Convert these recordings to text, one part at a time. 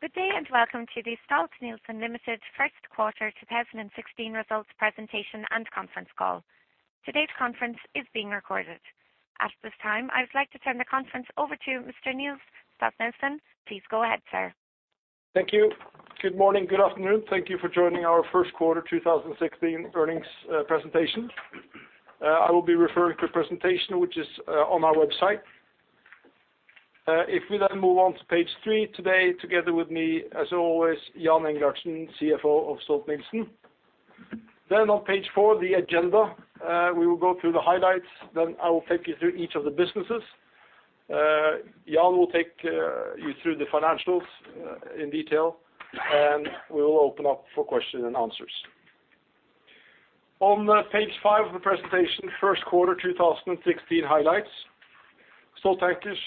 Good day and welcome to the Stolt-Nielsen Limited first quarter 2016 results presentation and conference call. Today's conference is being recorded. At this time, I would like to turn the conference over to Mr. Niels G. Stolt-Nielsen. Please go ahead, sir. Thank you. Good morning. Good afternoon. Thank you for joining our first quarter 2016 earnings presentation. I will be referring to a presentation which is on our website. We move on to page three, today together with me, as always, Jan Engelhardtsen, CFO of Stolt-Nielsen. On page four, the agenda. We will go through the highlights, I will take you through each of the businesses. Jan will take you through the financials in detail, we will open up for questions and answers. On page five of the presentation, first quarter 2016 highlights. Stolt Tankers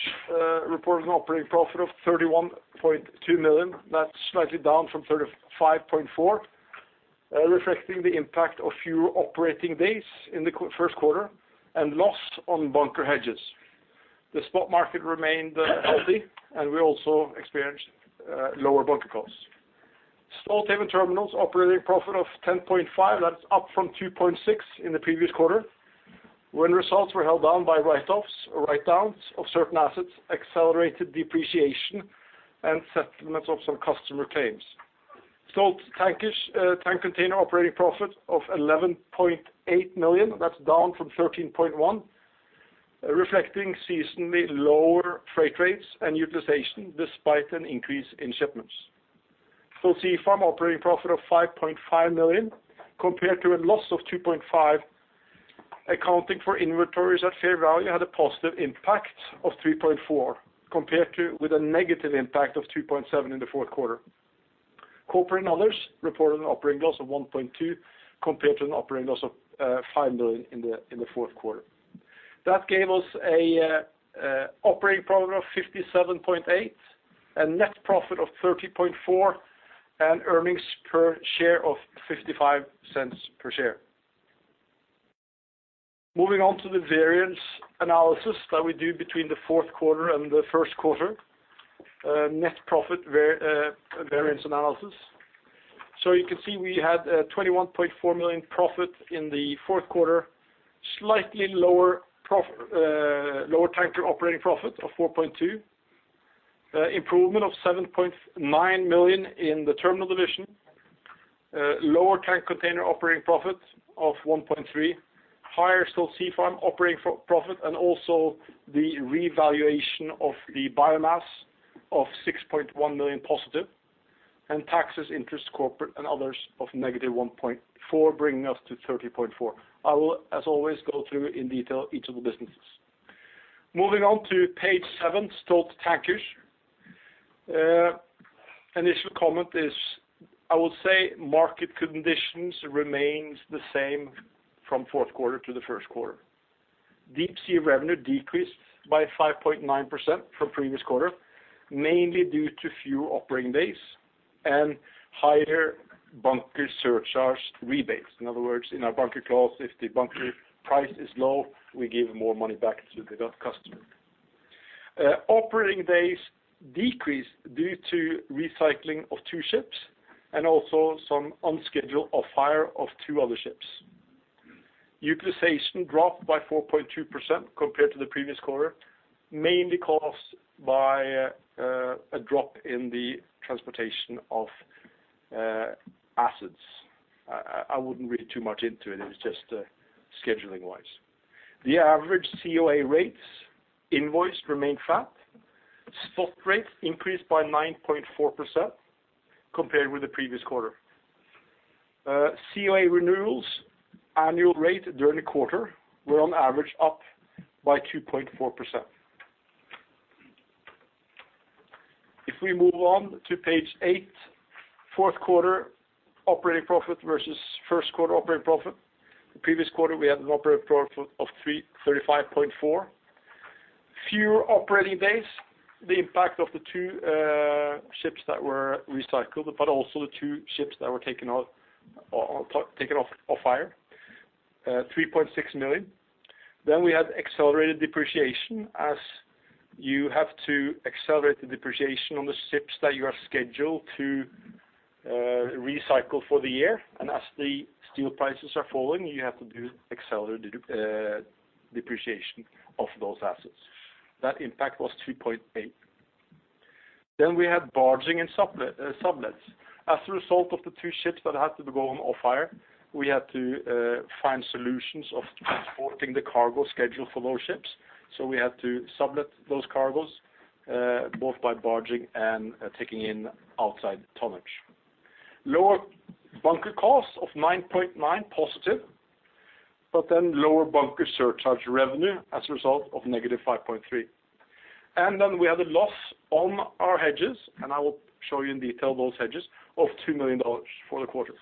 reported an operating profit of $31.2 million. That's slightly down from $35.4 million, reflecting the impact of fewer operating days in the first quarter and loss on bunker hedges. The spot market remained healthy we also experienced lower bunker costs. Stolthaven Terminals operating profit of $10.5 million, that is up from $2.6 million in the previous quarter, when results were held down by write-downs of certain assets, accelerated depreciation, and settlement of some customer claims. Stolt Tank Containers operating profit of $11.8 million, that's down from $13.1 million, reflecting seasonally lower freight rates and utilization despite an increase in shipments. Stolt Sea Farm operating profit of $5.5 million, compared to a loss of $2.5 million, accounting for inventories at fair value had a positive impact of $3.4 million, compared to with a negative impact of $2.7 million in the fourth quarter. Corporate and others reported an operating loss of $1.2 million, compared to an operating loss of $5 million in the fourth quarter. That gave us an operating profit of $57.8 million, a net profit of $30.4 million, and earnings per share of $0.55 per share. Moving on to the variance analysis that we do between the fourth quarter and the first quarter. Net profit variance analysis. You can see we had a $21.4 million profit in the fourth quarter, slightly lower Stolt Tankers operating profit of $4.2 million. Improvement of $7.9 million in the Stolthaven Terminals division. Lower Stolt Tank Containers operating profit of $1.3 million, higher Stolt Sea Farm operating profit, and also the revaluation of the biomass of $6.1 million positive, and taxes, interest, corporate, and others of -$1.4 million, bringing us to $30.4 million. I will, as always, go through in detail each of the businesses. Moving on to page seven, Stolt Tankers. Initial comment is, I would say market conditions remains the same from fourth quarter to the first quarter. Deep sea revenue decreased by 5.9% from previous quarter, mainly due to fewer operating days and higher bunker surcharge rebates. In other words, in our bunker clause, if the bunker price is low, we give more money back to the customer. Operating days decreased due to recycling of 2 ships and also some unscheduled off-hire of 2 other ships. Utilization dropped by 4.2% compared to the previous quarter, mainly caused by a drop in the transportation of acids. I wouldn't read too much into it. It was just scheduling wise. The average COA rates invoiced remained flat. Spot rates increased by 9.4% compared with the previous quarter. COA renewals annual rate during the quarter were on average up by 2.4%. If we move on to page 8, fourth quarter operating profit versus first quarter operating profit. The previous quarter, we had an operating profit of $35.4. Fewer operating days, the impact of the 2 ships that were recycled, but also the 2 ships that were taken off hire, $3.6 million. We had accelerated depreciation as you have to accelerate the depreciation on the ships that you are scheduled to recycle for the year. As the steel prices are falling, you have to do accelerated depreciation of those assets. That impact was $3.8. We had barging and sublets. As a result of the 2 ships that had to go on off hire, we had to find solutions of transporting the cargo schedule for those ships. We had to sublet those cargoes, both by barging and taking in outside tonnage. Lower bunker cost of $9.9 positive, lower bunker surcharge revenue as a result of -$5.3. We had a loss on our hedges, and I will show you in detail those hedges, of $2 million for the quarter.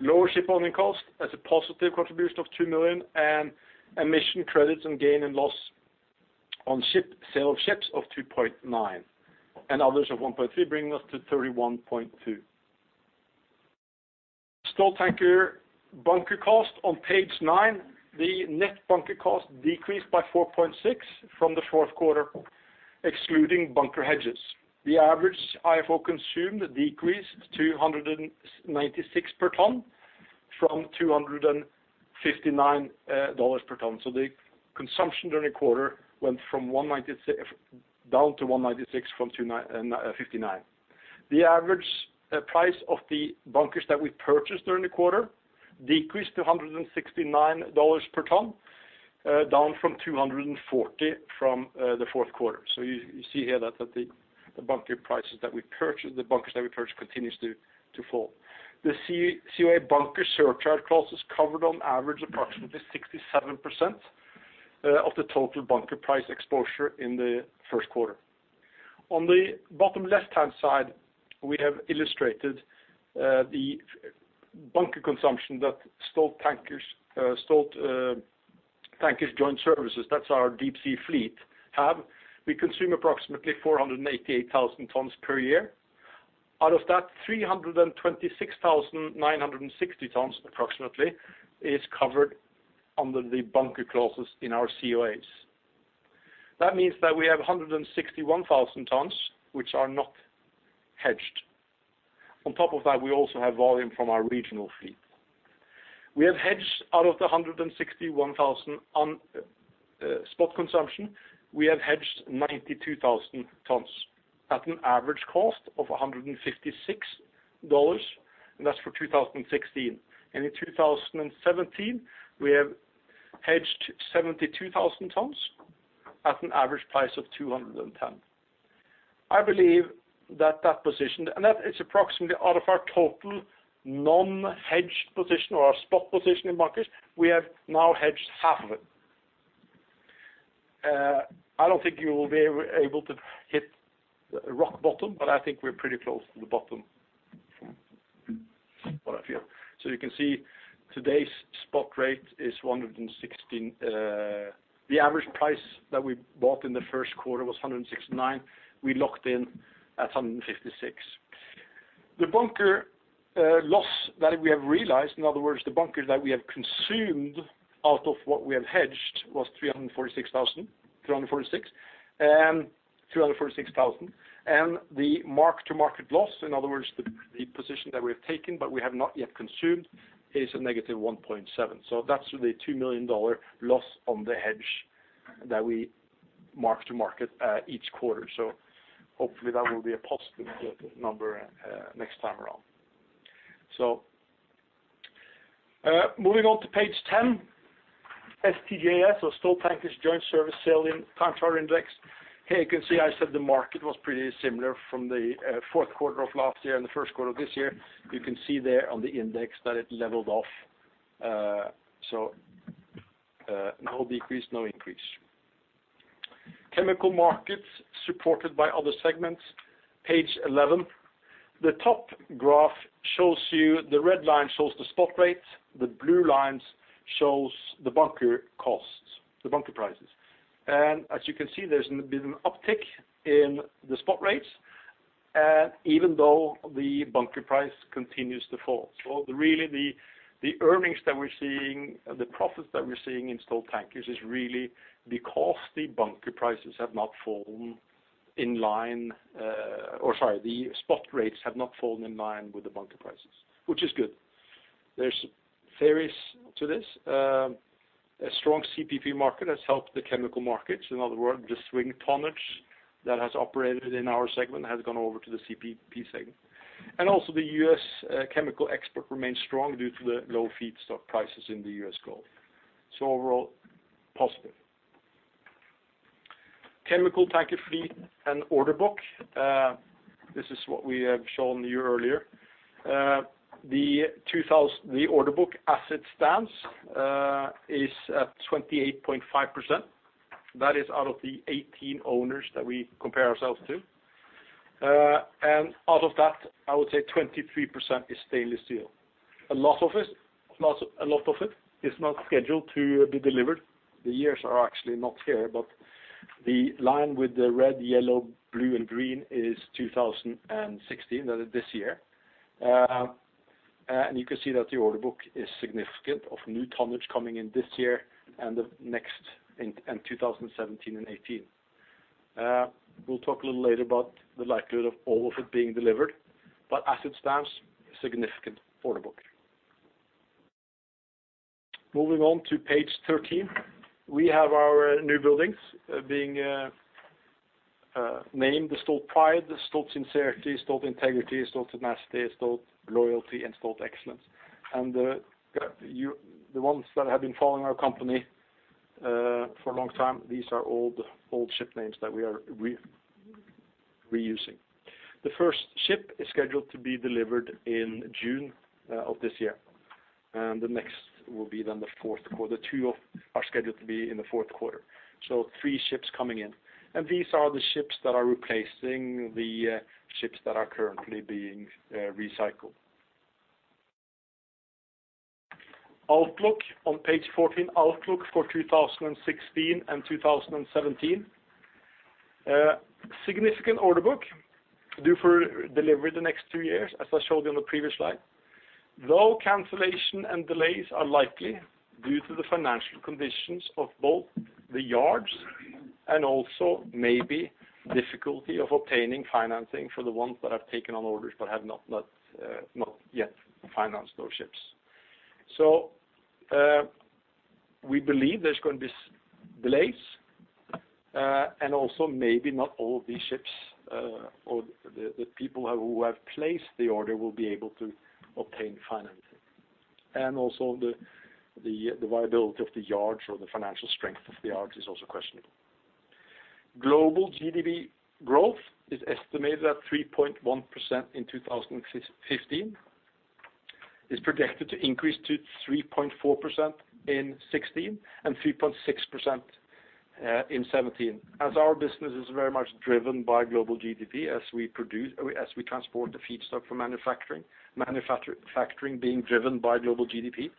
Lower shipowner cost as a positive contribution of $2 million and emission credits and gain and loss on sale of ships of $2.9 and others of $1.3, bringing us to $31.2. Stolt Tankers bunker cost on page 9, the net bunker cost decreased by $4.6 from the fourth quarter, excluding bunker hedges. The average IFO consumed decreased to $196 per ton from $259 per ton. The consumption during the quarter went down to $196 from $259. The average price of the bunkers that we purchased during the quarter decreased to $169 per ton, down from $240 from the fourth quarter. You see here that the bunkers that we purchased continues to fall. The COA bunker surcharge clause is covered on average approximately 67% of the total bunker price exposure in the first quarter. On the bottom left-hand side, we have illustrated the bunker consumption that Stolt Tankers Joint Service, that's our deep sea fleet have. We consume approximately 488,000 tons per year. Out of that, 326,960 tons approximately is covered under the bunker clauses in our COAs. That means that we have 161,000 tons which are not hedged. On top of that, we also have volume from our regional fleet. We have hedged out of the 161,000 on spot consumption. We have hedged 92,000 tons at an average cost of $156, and that's for 2016. In 2017, we have hedged 72,000 tons at an average price of $210. I believe that that position, and that is approximately out of our total non-hedged position or our spot position in bunkers, we have now hedged half of it. I don't think you will be able to hit rock bottom, but I think we're pretty close to the bottom. What I feel. You can see today's spot rate is 116. The average price that we bought in the first quarter was $169. We locked in at $156. The bunker loss that we have realized, in other words, the bunkers that we have consumed out of what we have hedged was $346,000. The mark to market loss, in other words, the position that we have taken but we have not yet consumed is a negative 1.7. That's the $2 million loss on the hedge that we mark to market each quarter. Hopefully that will be a positive number next time around. Moving on to page 10. STJS or Stolt Tankers Joint Service sale time charter index. Here you can see I said the market was pretty similar from the fourth quarter of last year and the first quarter of this year. You can see there on the index that it leveled off. No decrease, no increase. Chemical markets supported by other segments. Page 11. The top graph shows you, the red line shows the spot rates, the blue lines shows the bunker costs, the bunker prices. As you can see, there's been an uptick in the spot rates, even though the bunker price continues to fall. Really the earnings that we're seeing, the profits that we're seeing in Stolt Tankers is really because the spot rates have not fallen in line with the bunker prices, which is good. There's theories to this. A strong CPP market has helped the chemical markets. In other words, the swing tonnage that has operated in our segment has gone over to the CPP segment. The U.S. chemical export remains strong due to the low feedstock prices in the U.S. Gulf. Overall, positive. Chemical tanker fleet and order book. This is what we have shown you earlier. The order book as it stands is at 28.5%. That is out of the 18 owners that we compare ourselves to. Out of that, I would say 23% is stainless steel. A lot of it is not scheduled to be delivered. The years are actually not here, but the line with the red, yellow, blue, and green is 2016. That is this year. You can see that the order book is significant of new tonnage coming in this year and the next in 2017 and 2018. We'll talk a little later about the likelihood of all of it being delivered, but as it stands, significant order book. Moving on to page 13. We have our new buildings being named the Stolt Pride, the Stolt Sincerity, Stolt Integrity, Stolt Tenacity, Stolt Loyalty, and Stolt Excellence. The ones that have been following our company for a long time, these are old ship names that we are reusing. The first ship is scheduled to be delivered in June of this year, and the next will be then the fourth quarter. Two are scheduled to be in the fourth quarter, three ships coming in. These are the ships that are replacing the ships that are currently being recycled. Outlook on page 14. Outlook for 2016 and 2017. Significant order book due for delivery the next two years, as I showed you on the previous slide. Though cancellation and delays are likely due to the financial conditions of both the yards and also maybe difficulty of obtaining financing for the ones that have taken on orders, but have not yet financed those ships. We believe there is going to be delays, and also maybe not all of these ships, or the people who have placed the order will be able to obtain financing. The viability of the yards or the financial strength of the yards is also questionable. Global GDP growth is estimated at 3.1% in 2015. It is projected to increase to 3.4% in 2016 and 3.6% in 2017. Our business is very much driven by global GDP as we transport the feedstock for manufacturing. Manufacturing being driven by global GDP.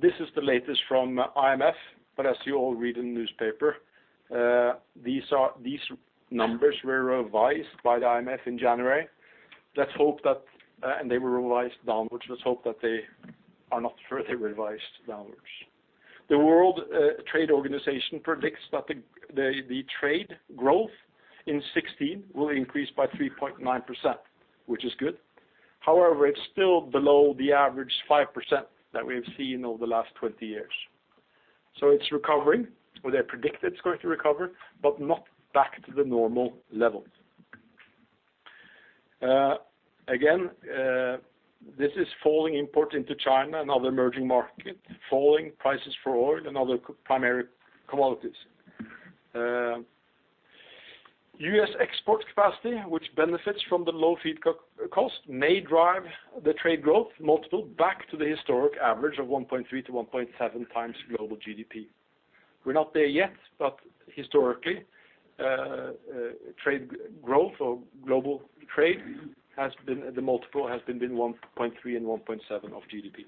This is the latest from IMF. As you all read in the newspaper, these numbers were revised by the IMF in January. They were revised downwards. Let's hope that they are not further revised downwards. The World Trade Organization predicts that the trade growth in 2016 will increase by 3.9%, which is good. However, it is still below the average 5% that we have seen over the last 20 years. It is recovering, or they predict it is going to recover, but not back to the normal levels. Again, this is falling import into China and other emerging markets. Falling prices for oil and other primary commodities. U.S. export capacity, which benefits from the low feed cost, may drive the trade growth multiple back to the historic average of 1.3 to 1.7 times global GDP. We are not there yet. Historically, trade growth or global trade, the multiple has been 1.3 and 1.7 of GDP.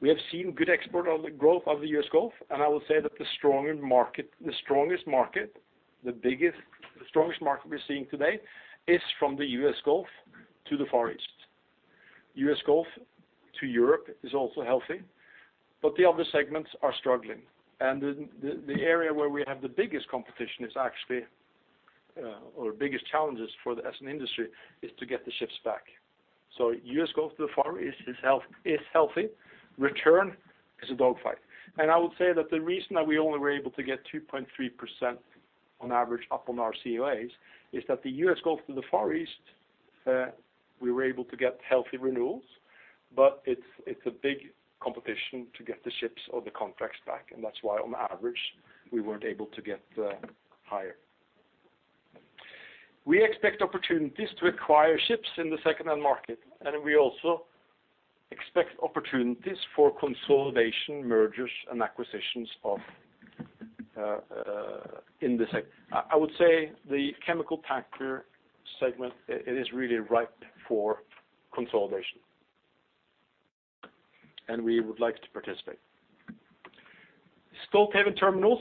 We have seen good export growth out of the U.S. Gulf. I would say that the strongest market, the biggest, the strongest market we are seeing today is from the U.S. Gulf to the Far East. U.S. Gulf to Europe is also healthy. The other segments are struggling. The area where we have the biggest competition is actually, or biggest challenges for as an industry, is to get the ships back. U.S. Gulf to the Far East is healthy. Return is a dog fight. I would say that the reason that we only were able to get 2.3% on average up on our COAs is that the U.S. Gulf to the Far East, we were able to get healthy renewals. It is a big competition to get the ships or the contracts back, and that is why, on average, we were not able to get higher. We expect opportunities to acquire ships in the second-hand market. We also expect opportunities for consolidation, mergers, and acquisitions. I would say the chemical tanker segment, it is really ripe for consolidation. We would like to participate. Stolthaven Terminals.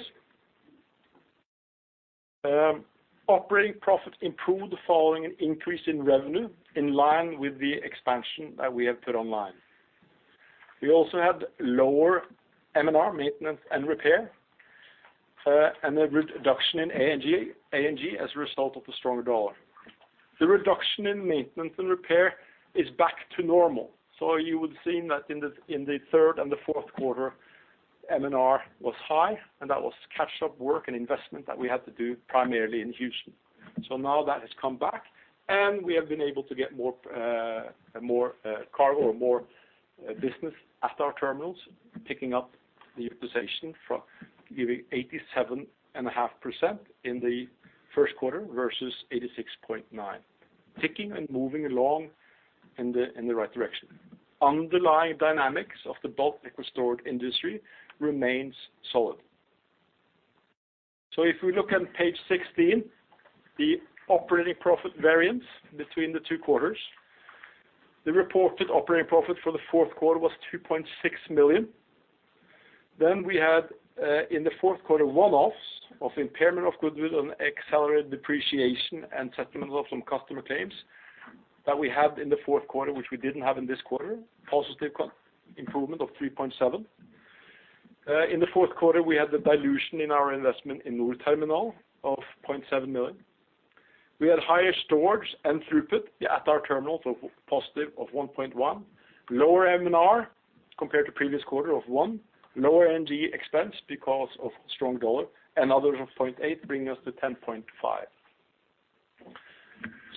Operating profit improved following an increase in revenue in line with the expansion that we have put online. We also had lower M&R, maintenance and repair, a reduction in A&G as a result of the stronger dollar. The reduction in maintenance and repair is back to normal. You would have seen that in the third and the fourth quarter, M&R was high, and that was catch-up work and investment that we had to do primarily in Houston. Now that has come back, and we have been able to get more cargo or more business at our terminals, picking up the utilization from giving 87.5% in the first quarter versus 86.9%. Ticking and moving along in the right direction. Underlying dynamics of the bulk liquid storage industry remains solid. If we look on page 16, the operating profit variance between the two quarters. The reported operating profit for the fourth quarter was 2.6 million. We had in the fourth quarter, one-offs of impairment of goodwill and accelerated depreciation and settlement of some customer claims that we had in the fourth quarter, which we didn't have in this quarter. Positive improvement of 3.7. In the fourth quarter, we had the dilution in our investment in Nord Terminal of 0.7 million. We had higher storage and throughput at our terminal, positive of 1.1. Lower M&R compared to previous quarter of 1 million. Lower A&G expense because of strong dollar and others of 0.8, bringing us to 10.5.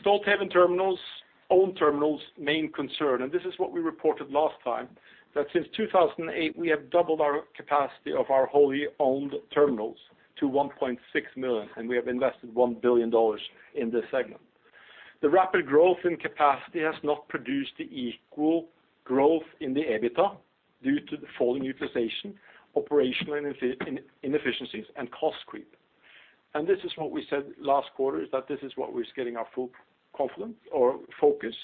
Stolthaven Terminals, owned terminals main concern, and this is what we reported last time, that since 2008 we have doubled our capacity of our wholly owned terminals to 1.6 million and we have invested 1 billion dollars in this segment. The rapid growth in capacity has not produced the equal growth in the EBITDA due to the falling utilization, operational inefficiencies, and cost creep. This is what we said last quarter, is that this is what is getting our full confidence or focus,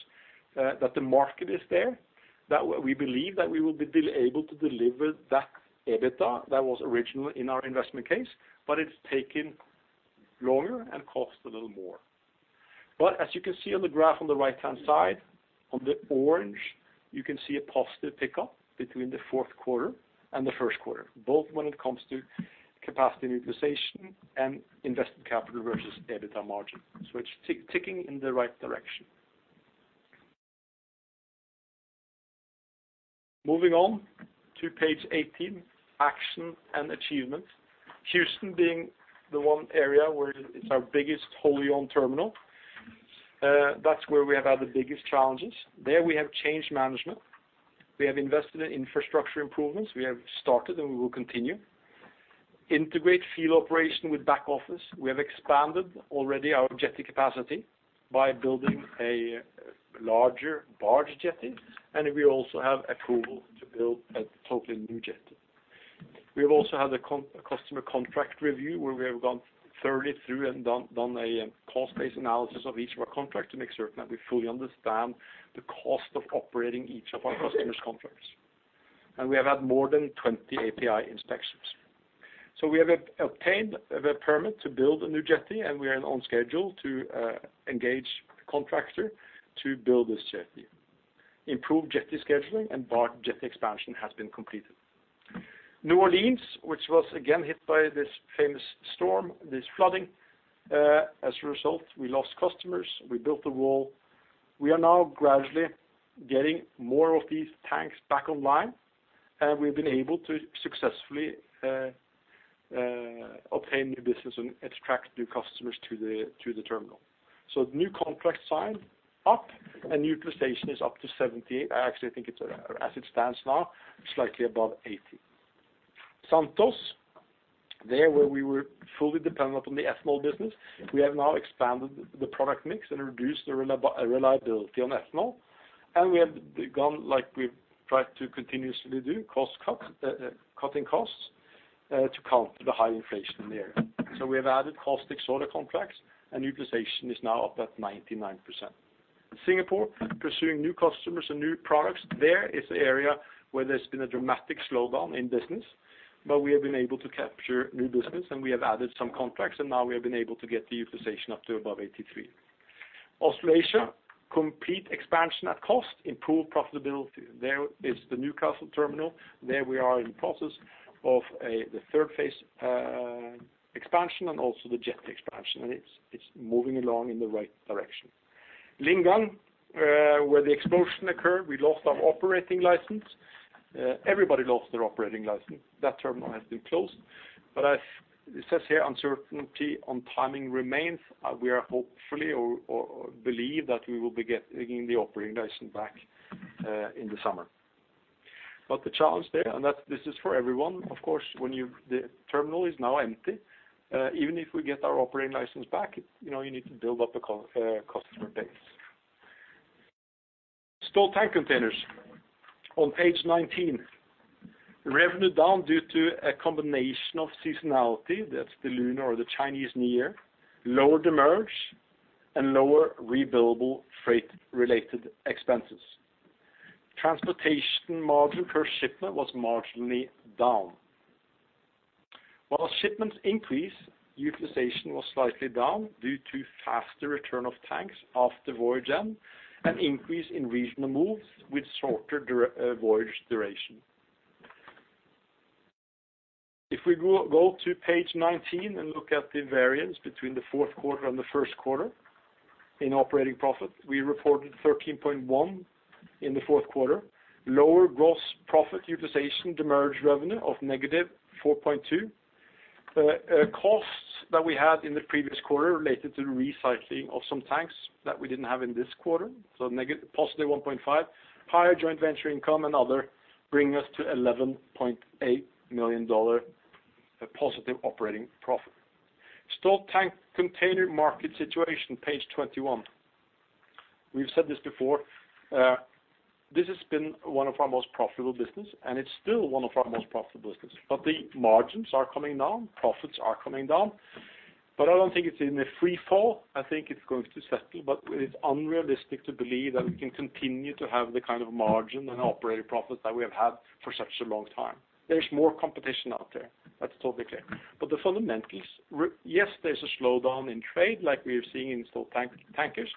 that the market is there, that we believe that we will be able to deliver that EBITDA that was original in our investment case, but it's taken longer and cost a little more. As you can see on the graph on the right-hand side, on the orange, you can see a positive pickup between the fourth quarter and the first quarter, both when it comes to capacity utilization and invested capital versus EBITDA margin. It's ticking in the right direction. Moving on to page 18, action and achievements. Houston being the one area where it's our biggest wholly owned terminal. That's where we have had the biggest challenges. There, we have changed management. We have invested in infrastructure improvements. We have started and we will continue. Integrate field operation with back office. We have expanded already our jetty capacity by building a larger barge jetty, and we also have approval to build a totally new jetty. We have also had a customer contract review where we have gone thoroughly through and done a cost-based analysis of each of our contracts to make certain that we fully understand the cost of operating each of our customer's contracts. We have had more than 20 API inspections. We have obtained the permit to build a new jetty, and we are on schedule to engage a contractor to build this jetty. Improved jetty scheduling and barge jetty expansion has been completed. New Orleans, which was again hit by this famous storm, this flooding. We lost customers. We built a wall. We are now gradually getting more of these tanks back online, and we've been able to successfully obtain new business and attract new customers to the terminal. New contracts signed up and utilization is up to 70. I actually think as it stands now, slightly above 80. Santos, there where we were fully dependent on the ethanol business, we have now expanded the product mix and reduced the reliability on ethanol. We have gone like we've tried to continuously do, cutting costs to counter the high inflation there. We have added caustic soda contracts and utilization is now up at 99%. Singapore, pursuing new customers and new products. There is an area where there's been a dramatic slowdown in business, but we have been able to capture new business and we have added some contracts and now we have been able to get the utilization up to above 83. Australasia, complete expansion at cost, improve profitability. There is the Newcastle terminal. We are in the process of the phase 3 expansion and also the jetty expansion, and it's moving along in the right direction. Lingang, where the explosion occurred, we lost our operating license. Everybody lost their operating license. That terminal has been closed. It says here, uncertainty on timing remains. We are hopefully or believe that we will be getting the operating license back in the summer. The challenge there, and this is for everyone, of course, the terminal is now empty. Even if we get our operating license back, you need to build up a customer base. Stolt Tank Containers on page 19. Revenue down due to a combination of seasonality, that's the Lunar or the Chinese New Year, lower demurrage, and lower rebillable freight-related expenses. Transportation margin per shipment was marginally down. While shipments increased, utilization was slightly down due to faster return of tanks after voyage end and increase in regional moves with shorter voyage duration. If we go to page 19 and look at the variance between the fourth quarter and the first quarter in operating profit, we reported $13.1 in the fourth quarter. Lower gross profit utilization, demurrage revenue of -$4.2. Costs that we had in the previous quarter related to the recycling of some tanks that we didn't have in this quarter, $1.5. Higher joint venture income and other bring us to $11.8 million positive operating profit. Stolt Tank Containers market situation, page 21. We've said this before. This has been one of our most profitable business, and it's still one of our most profitable business. The margins are coming down, profits are coming down. I don't think it's in a free fall. I think it's going to settle, but it is unrealistic to believe that we can continue to have the kind of margin and operating profits that we have had for such a long time. There's more competition out there. That's totally clear. The fundamentals, yes, there's a slowdown in trade like we are seeing in Stolt Tankers,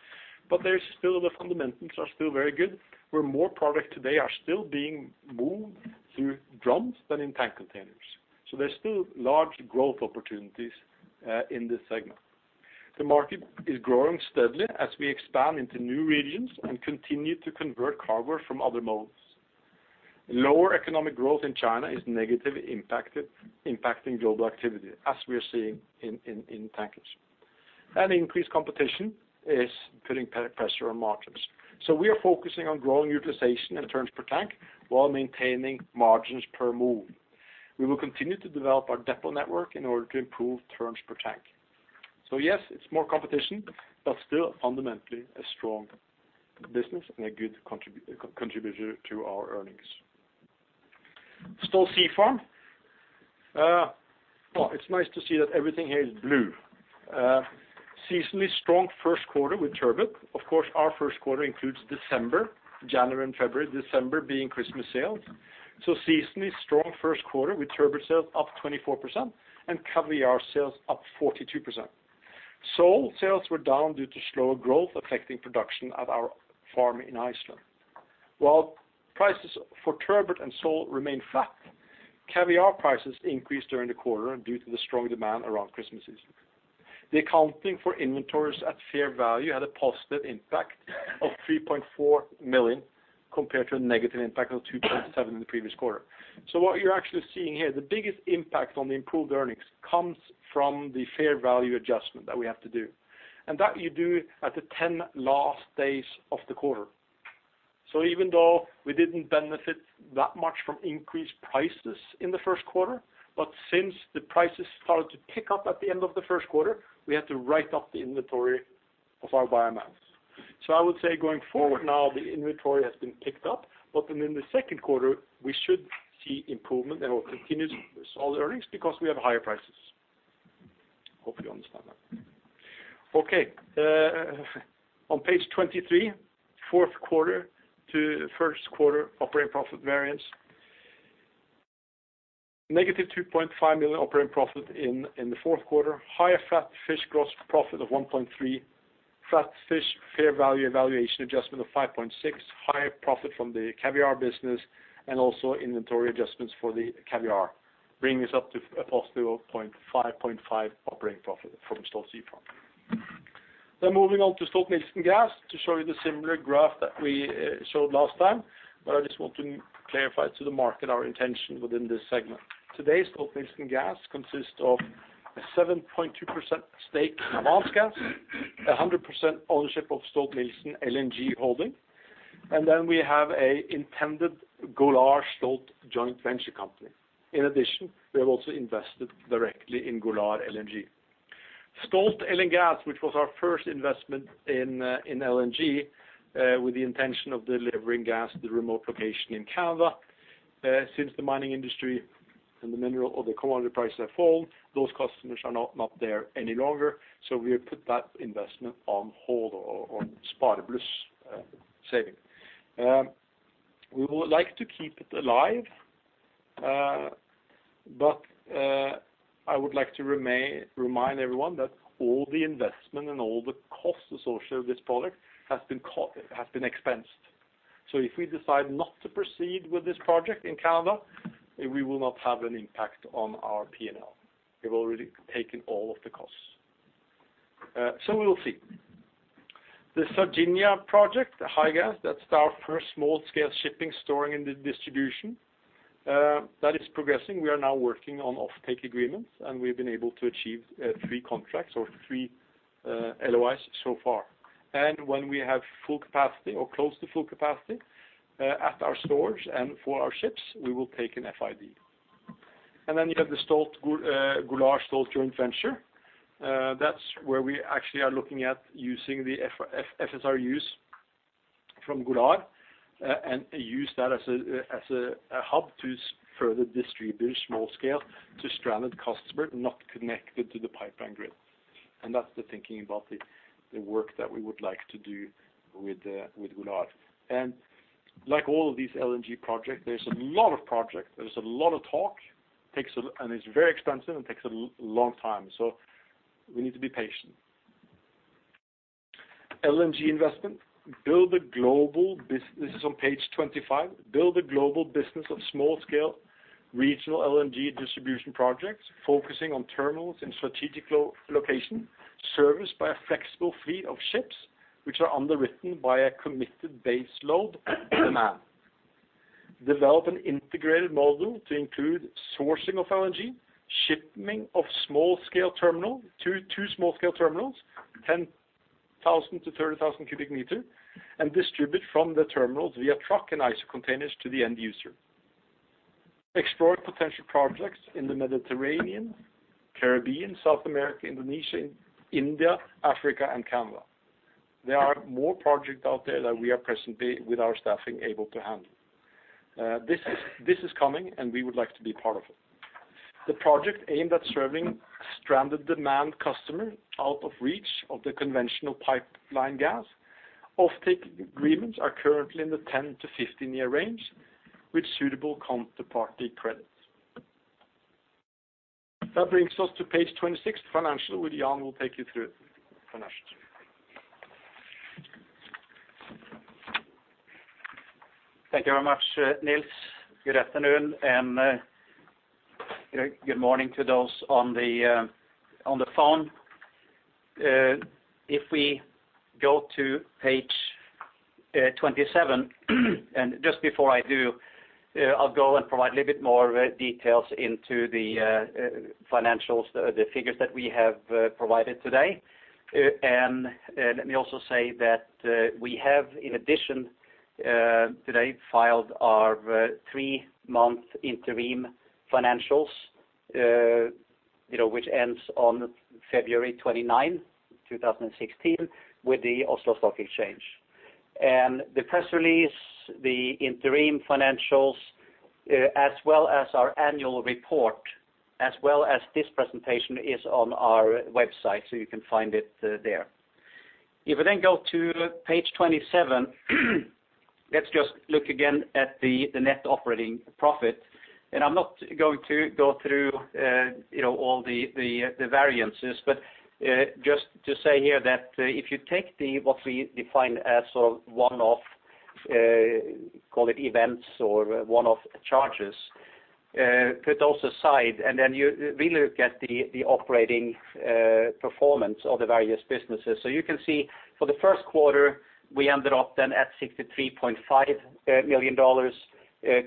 but the fundamentals are still very good, where more product today are still being moved through drums than in tank containers. There's still large growth opportunities in this segment. The market is growing steadily as we expand into new regions and continue to convert cargo from other modes. Lower economic growth in China is negatively impacting global activity, as we are seeing in Tankers. Increased competition is putting pressure on margins. We are focusing on growing utilization and turns per tank while maintaining margins per move. We will continue to develop our depot network in order to improve turns per tank. Yes, it's more competition, but still fundamentally a strong business and a good contributor to our earnings. Stolt Sea Farm. It's nice to see that everything here is blue. Seasonally strong first quarter with turbot. Of course, our first quarter includes December, January, and February. December being Christmas sales. Seasonally strong first quarter with turbot sales up 24% and caviar sales up 42%. Sole sales were down due to slower growth affecting production at our farm in Iceland. While prices for turbot and sole remain flat, caviar prices increased during the quarter due to the strong demand around Christmas season. The accounting for inventories at fair value had a positive impact of $3.4 million, compared to a negative impact of $2.7 million in the previous quarter. What you're actually seeing here, the biggest impact on the improved earnings comes from the fair value adjustment that we have to do. That you do at the 10 last days of the quarter. Even though we didn't benefit that much from increased prices in the first quarter, but since the prices started to pick up at the end of the first quarter, we had to write off the inventory of our biomass. I would say going forward now, the inventory has been picked up, in the second quarter, we should see improvement and will continue to solve earnings because we have higher prices. Hope you understand that. Okay. On page 23, fourth quarter to first quarter operating profit variance. Negative $2.5 million operating profit in the fourth quarter. Higher fat fish gross profit of $1.3 million. Fat fish fair value evaluation adjustment of $5.6 million. Higher profit from the caviar business, and also inventory adjustments for the caviar. Bringing us up to a positive $5.5 million operating profit from Stolt Sea Farm. Moving on to Stolt-Nielsen Gas to show you the similar graph that we showed last time, but I just want to clarify to the market our intention within this segment. Today, Stolt-Nielsen Gas consists of a 7.2% stake in Avance Gas, 100% ownership of Stolt-Nielsen LNG Holdings, and then we have a intended Golar-Stolt joint venture company. In addition, we have also invested directly in Golar LNG. Stolt LNGaz, which was our first investment in LNG with the intention of delivering gas to the remote location in Canada. The mining industry and the mineral or the commodity prices have fallen, those customers are not there any longer, we have put that investment on hold or on spare saving. We would like to keep it alive, but I would like to remind everyone that all the investment and all the costs associated with this product has been expensed. If we decide not to proceed with this project in Canada, it will not have an impact on our P&L. We've already taken all of the costs. We will see. The Sardinha project, HIGAS, that's our first small scale shipping storing and distribution. That is progressing. We are now working on offtake agreements, we've been able to achieve three contracts or three LOIs so far. When we have full capacity or close to full capacity at our storage and for our ships, we will take an FID. You have the Golar-Stolt joint venture. That's where we actually are looking at using the FSRUs from Golar and use that as a hub to further distribute small scale to stranded customer not connected to the pipeline grid. That's the thinking about the work that we would like to do with Golar. Like all of these LNG projects, there's a lot of projects, there's a lot of talk, it's very expensive and takes a long time, so we need to be patient. LNG investment. This is on page 25. Build a global business of small scale regional LNG distribution projects, focusing on terminals in strategic location, serviced by a flexible fleet of ships, which are underwritten by a committed base load demand. Develop an integrated model to include sourcing of LNG, shipping of small scale terminal to two small scale terminals, 10,000 to 30,000 cubic meter, and distribute from the terminals via truck and ISO containers to the end user. Explore potential projects in the Mediterranean, Caribbean, South America, Indonesia, India, Africa, and Canada. There are more projects out there that we are presently, with our staffing, able to handle. This is coming, we would like to be part of it. The project aimed at serving stranded demand customer out of reach of the conventional pipeline gas. Offtake agreements are currently in the 10 to 15 year range with suitable counterparty credits. That brings us to page 26, financial, where Jan will take you through financial. Thank you very much, Nils. Good afternoon and good morning to those on the phone. If we go to page 27, just before I do, I'll go and provide a little bit more details into the financials, the figures that we have provided today. Let me also say that we have, in addition today, filed our three-month interim financials which ends on February 29th, 2016 with the Oslo Stock Exchange. The press release, the interim financials, as well as our annual report, as well as this presentation is on our website, so you can find it there. If we go to page 27, let's just look again at the net operating profit. I'm not going to go through all the variances, but just to say here that if you take what we define as one-off, call it events or one-off charges, put those aside, then you really look at the operating performance of the various businesses. You can see for the first quarter, we ended up then at $63.5 million,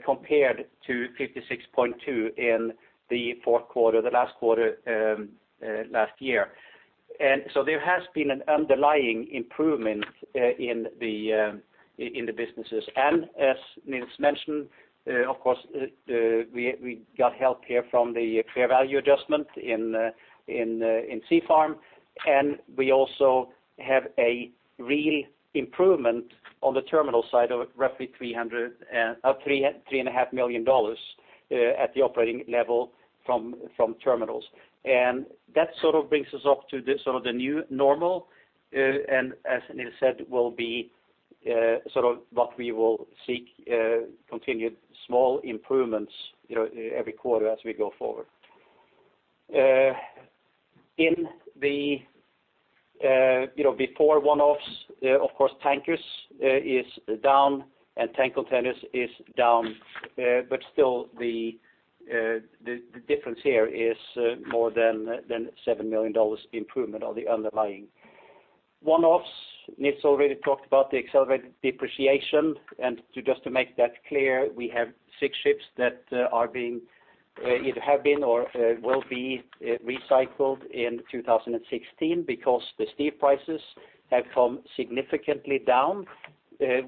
compared to $56.2 million in the fourth quarter, the last quarter, last year. There has been an underlying improvement in the businesses. As Niels mentioned, of course, we got help here from the fair value adjustment in Stolt Sea Farm, and we also have a real improvement on the terminal side of roughly $3.5 million at the operating level from terminals. That brings us up to the new normal, and as Niels said, will be what we will seek continued small improvements every quarter as we go forward. Before one-offs, of course, Stolt Tankers is down and Stolt Tank Containers is down, but still the difference here is more than $7 million improvement on the underlying. One-offs, Niels already talked about the accelerated depreciation, and just to make that clear, we have 6 ships that either have been or will be recycled in 2016 because the steel prices have come significantly down.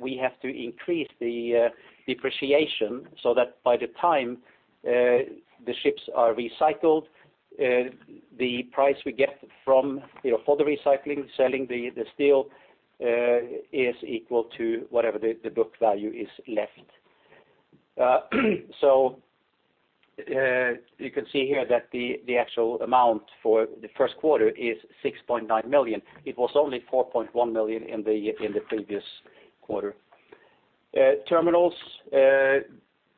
We have to increase the depreciation so that by the time the ships are recycled, the price we get for the recycling, selling the steel, is equal to whatever the book value is left. You can see here that the actual amount for the first quarter is $6.9 million. It was only $4.1 million in the previous quarter. Stolthaven Terminals,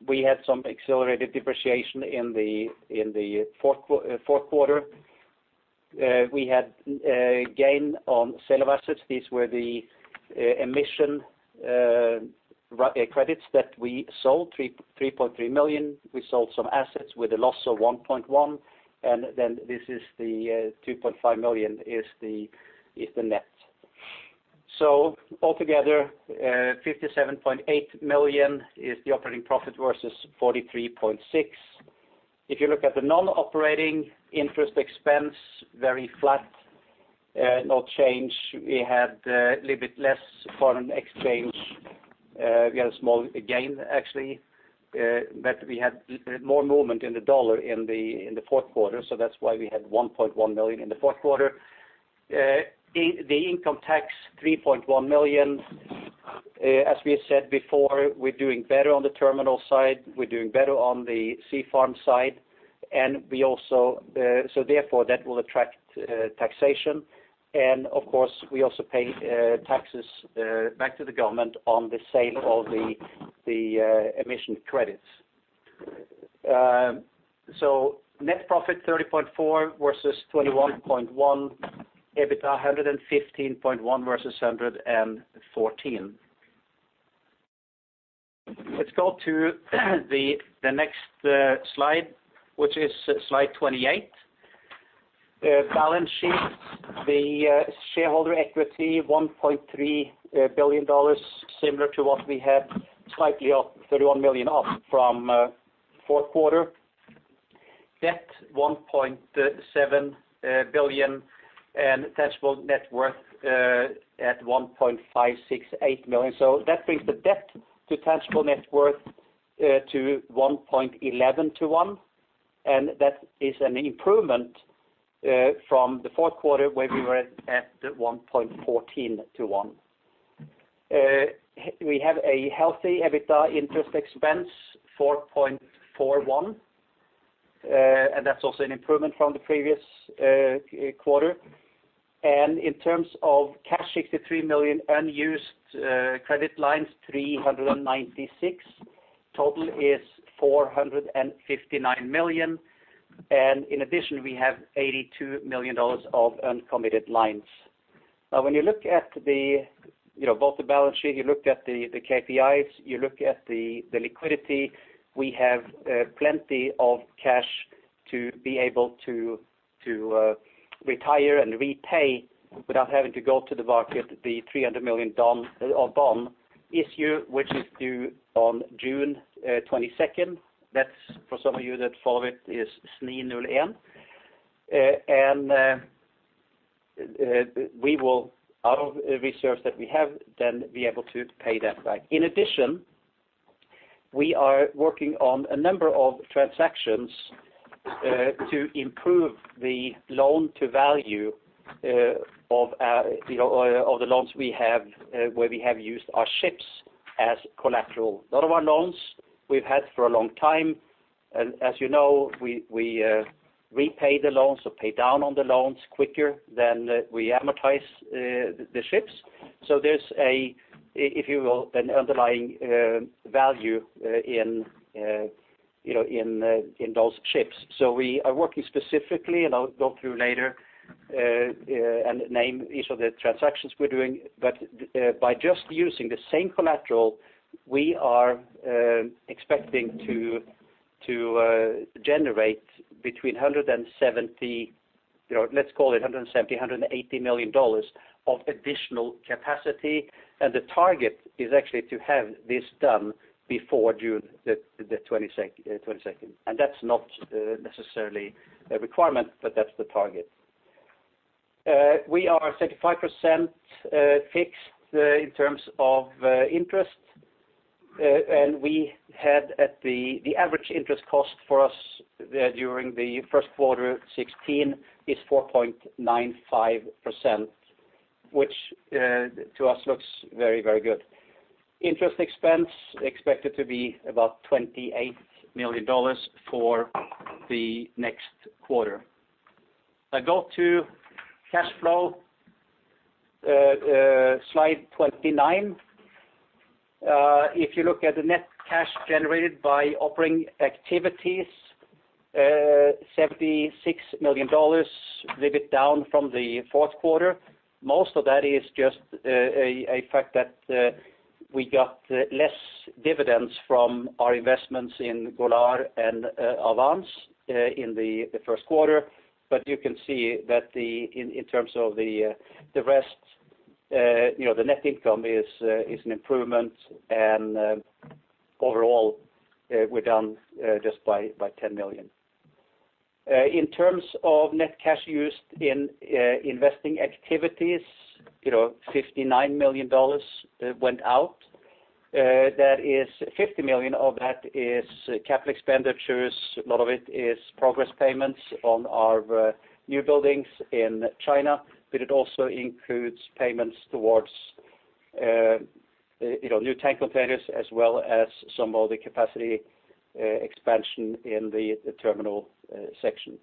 we had some accelerated depreciation in the fourth quarter. We had a gain on sale of assets. These were the emission credits that we sold, $3.3 million. We sold some assets with a loss of $1.1 million, and then this is the $2.5 million is the net. Altogether, $57.8 million is the operating profit versus $43.6 million. If you look at the non-operating interest expense, very flat, no change. We had a little bit less foreign exchange. We had a small gain actually, but we had more movement in the dollar in the fourth quarter, so that's why we had $1.1 million in the fourth quarter. The income tax, $3.1 million. As we said before, we're doing better on the terminal side. We're doing better on the Stolt Sea Farm side. Therefore that will attract taxation, and of course, we also pay taxes back to the government on the sale of the emission credits. Net profit $30.4 million versus $21.1 million. EBITDA $115.1 million versus $114 million. Let's go to the next slide, which is slide 28. Balance sheet, the shareholder equity, $1.3 billion, similar to what we had, slightly up $31 million up from fourth quarter. Debt, $1.7 billion and tangible net worth at $1.568 million. That brings the debt to tangible net worth to 1.11 to one, and that is an improvement from the fourth quarter where we were at 1.14 to one. We have a healthy EBITDA interest expense, 4.41, and that's also an improvement from the previous quarter. In terms of cash, $63 million, unused credit lines, $396 million. Total is $459 million. In addition, we have $82 million of uncommitted lines. When you look at both the balance sheet, you looked at the KPIs, you look at the liquidity, we have plenty of cash to be able to retire and repay without having to go to the market. The $300 million bond issue, which is due on June 22nd. That's for some of you that follow it, is SNI01. Out of reserves that we have, then be able to pay that back. In addition, we are working on a number of transactions to improve the loan-to-value of the loans we have where we have used our ships as collateral. A lot of our loans we've had for a long time. As you know, we repay the loans or pay down on the loans quicker than we amortize the ships. There's a, if you will, an underlying value in those ships. We are working specifically, and I'll go through later and name each of the transactions we're doing, but by just using the same collateral, we are expecting to generate between $170, let's call it $170, $180 million of additional capacity. The target is actually to have this done before June the 22nd. That's not necessarily a requirement, but that's the target. We are 35% fixed in terms of interest. The average interest cost for us during the first quarter 2016 is 4.95%, which to us looks very, very good. Interest expense expected to be about $28 million for the next quarter. I go to cash flow, slide 29. If you look at the net cash generated by operating activities, $76 million, little bit down from the fourth quarter. Most of that is just a fact that we got less dividends from our investments in Golar and Avance in the first quarter. You can see that in terms of the rest, the net income is an improvement, and overall, we're down just by $10 million. In terms of net cash used in investing activities, $59 million went out. 50 million of that is capital expenditures. A lot of it is progress payments on our new buildings in China, but it also includes payments towards new tank containers as well as some of the capacity expansion in the terminal section.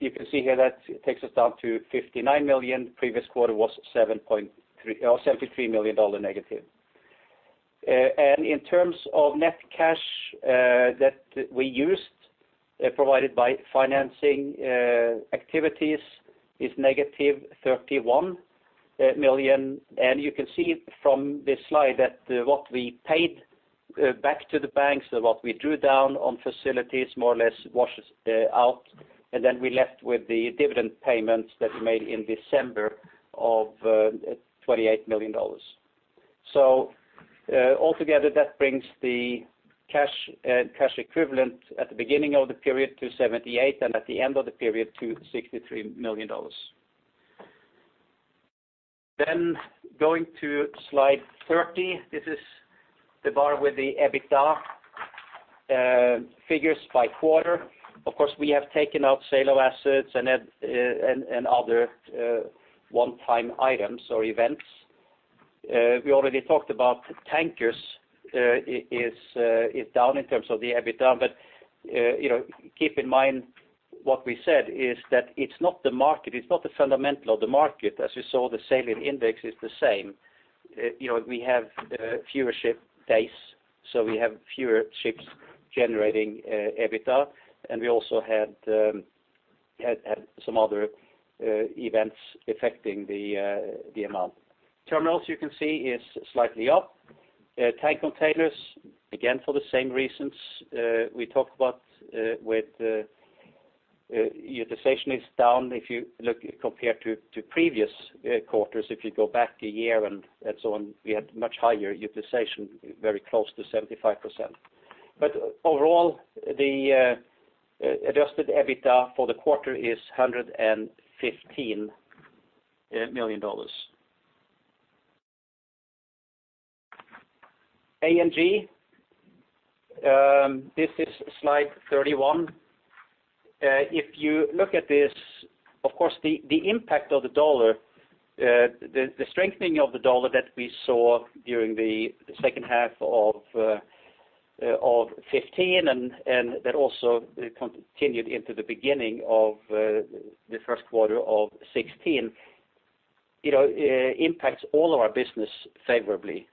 You can see here that takes us down to $59 million. Previous quarter was $73 million negative. In terms of net cash that we used, provided by financing activities, is negative $31 million. You can see from this slide that what we paid back to the banks and what we drew down on facilities more or less washes out. We're left with the dividend payments that we made in December of $28 million. Altogether, that brings the cash and cash equivalent at the beginning of the period to $78 million and at the end of the period to $63 million. Going to slide 30. This is the bar with the EBITDA figures by quarter. Of course, we have taken out sale of assets and other one-time items or events. We already talked about Tankers is down in terms of the EBITDA, but keep in mind what we said is that it's not the market, it's not the fundamental of the market. As you saw, the sale in index is the same. We have fewer ship days, we have fewer ships generating EBITDA. We also had some other events affecting the amount. Terminals, you can see, is slightly up. Tank Containers, again, for the same reasons we talked about with utilization is down if you look compared to previous quarters. If you go back a year and so on, we had much higher utilization, very close to 75%. Overall, the adjusted EBITDA for the quarter is $115 million. A&G. This is slide 31. If you look at this, of course, the impact of the dollar, the strengthening of the dollar that we saw during the second half of 2015, and that also continued into the beginning of the first quarter of 2016, impacts all of our business favorably.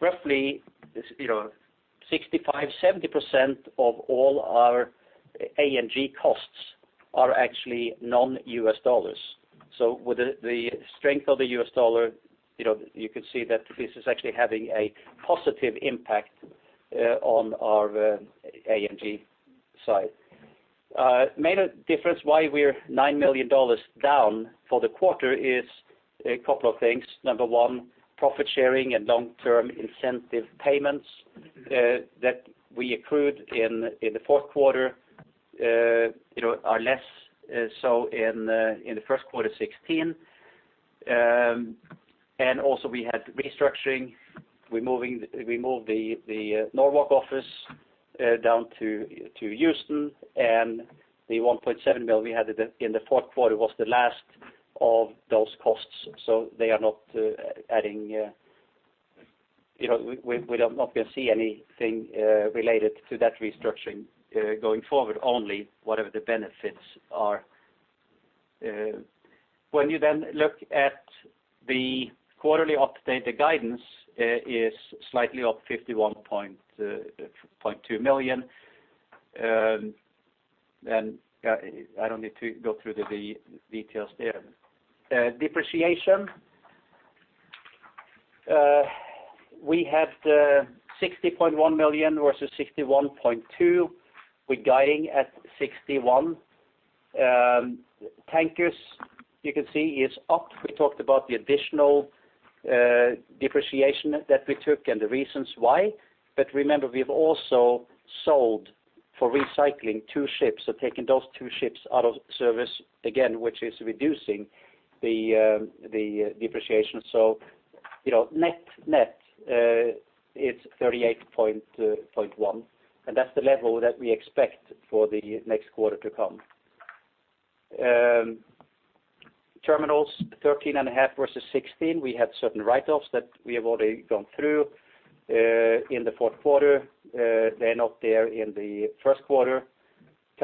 Roughly 65%-70% of all our A&G costs are actually non-U.S. dollars. With the strength of the U.S. dollar, you could see that this is actually having a positive impact on our A&G side. Main difference why we are $9 million down for the quarter is a couple of things. Number one, profit sharing and long-term incentive payments that we accrued in the fourth quarter are less so in the first quarter 2016. Also, we had restructuring. We moved the Norwalk office down to Houston, and the $1.7 million we had in the fourth quarter was the last of those costs. We are not going to see anything related to that restructuring going forward, only whatever the benefits are. When you look at the quarterly update, the guidance is slightly up $51.2 million. I do not need to go through the details there. Depreciation. We had $60.1 million versus $61.2 million. We are guiding at $61 million. Stolt Tankers, you can see is up. We talked about the additional depreciation that we took and the reasons why. Remember, we have also sold, for recycling, two ships, taking those two ships out of service again, which is reducing the depreciation. Net, it is $38.1 million, and that is the level that we expect for the next quarter to come. Stolthaven Terminals, $13.5 million versus $16 million. We had certain write-offs that we have already gone through in the fourth quarter. They are not there in the first quarter. Stolt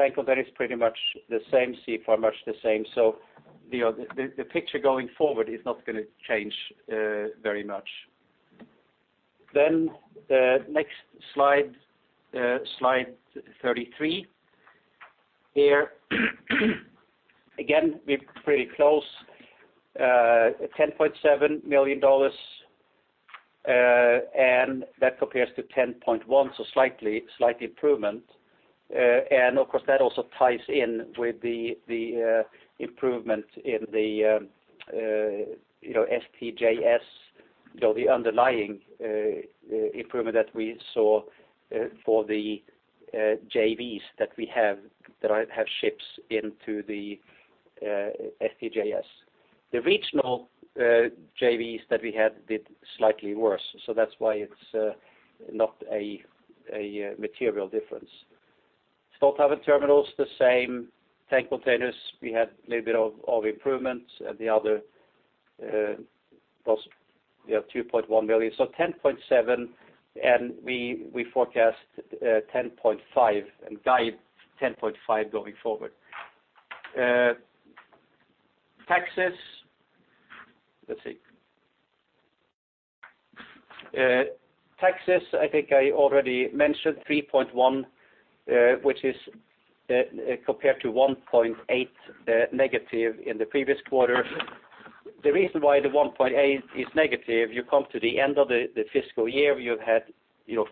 Tankers, that is pretty much the same, Stolt Sea Farm much the same. The picture going forward is not going to change very much. The next slide 33. Here, again, we are pretty close. $10.7 million, and that compares to $10.1 million, slight improvement. Of course, that also ties in with the improvement in the STJS, the underlying improvement that we saw for the JVs that we have, that have ships into the STJS. The regional JVs that we had did slightly worse, that is why it is not a material difference. Stolthaven Terminals, the same. Stolt Tank Containers, we had a little bit of improvement, and the other was $2.1 million. $10.7 million, and we forecast $10.5 million and guide $10.5 million going forward. Taxes. Let us see. Taxes, I think I already mentioned $3.1 million, which is compared to $1.8 million negative in the previous quarter. The reason why the $1.8 million is negative, you come to the end of the fiscal year, you had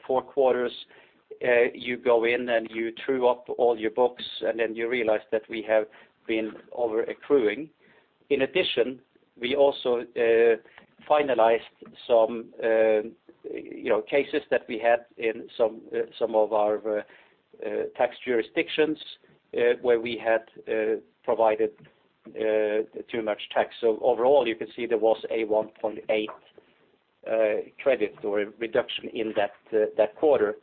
four quarters, you go in and you true up all your books, and you realize that we have been over-accruing. In addition, we also finalized some cases that we had in some of our tax jurisdictions where we had provided too much tax. Overall, you can see there was a $1.8 million credit or a reduction in that quarter.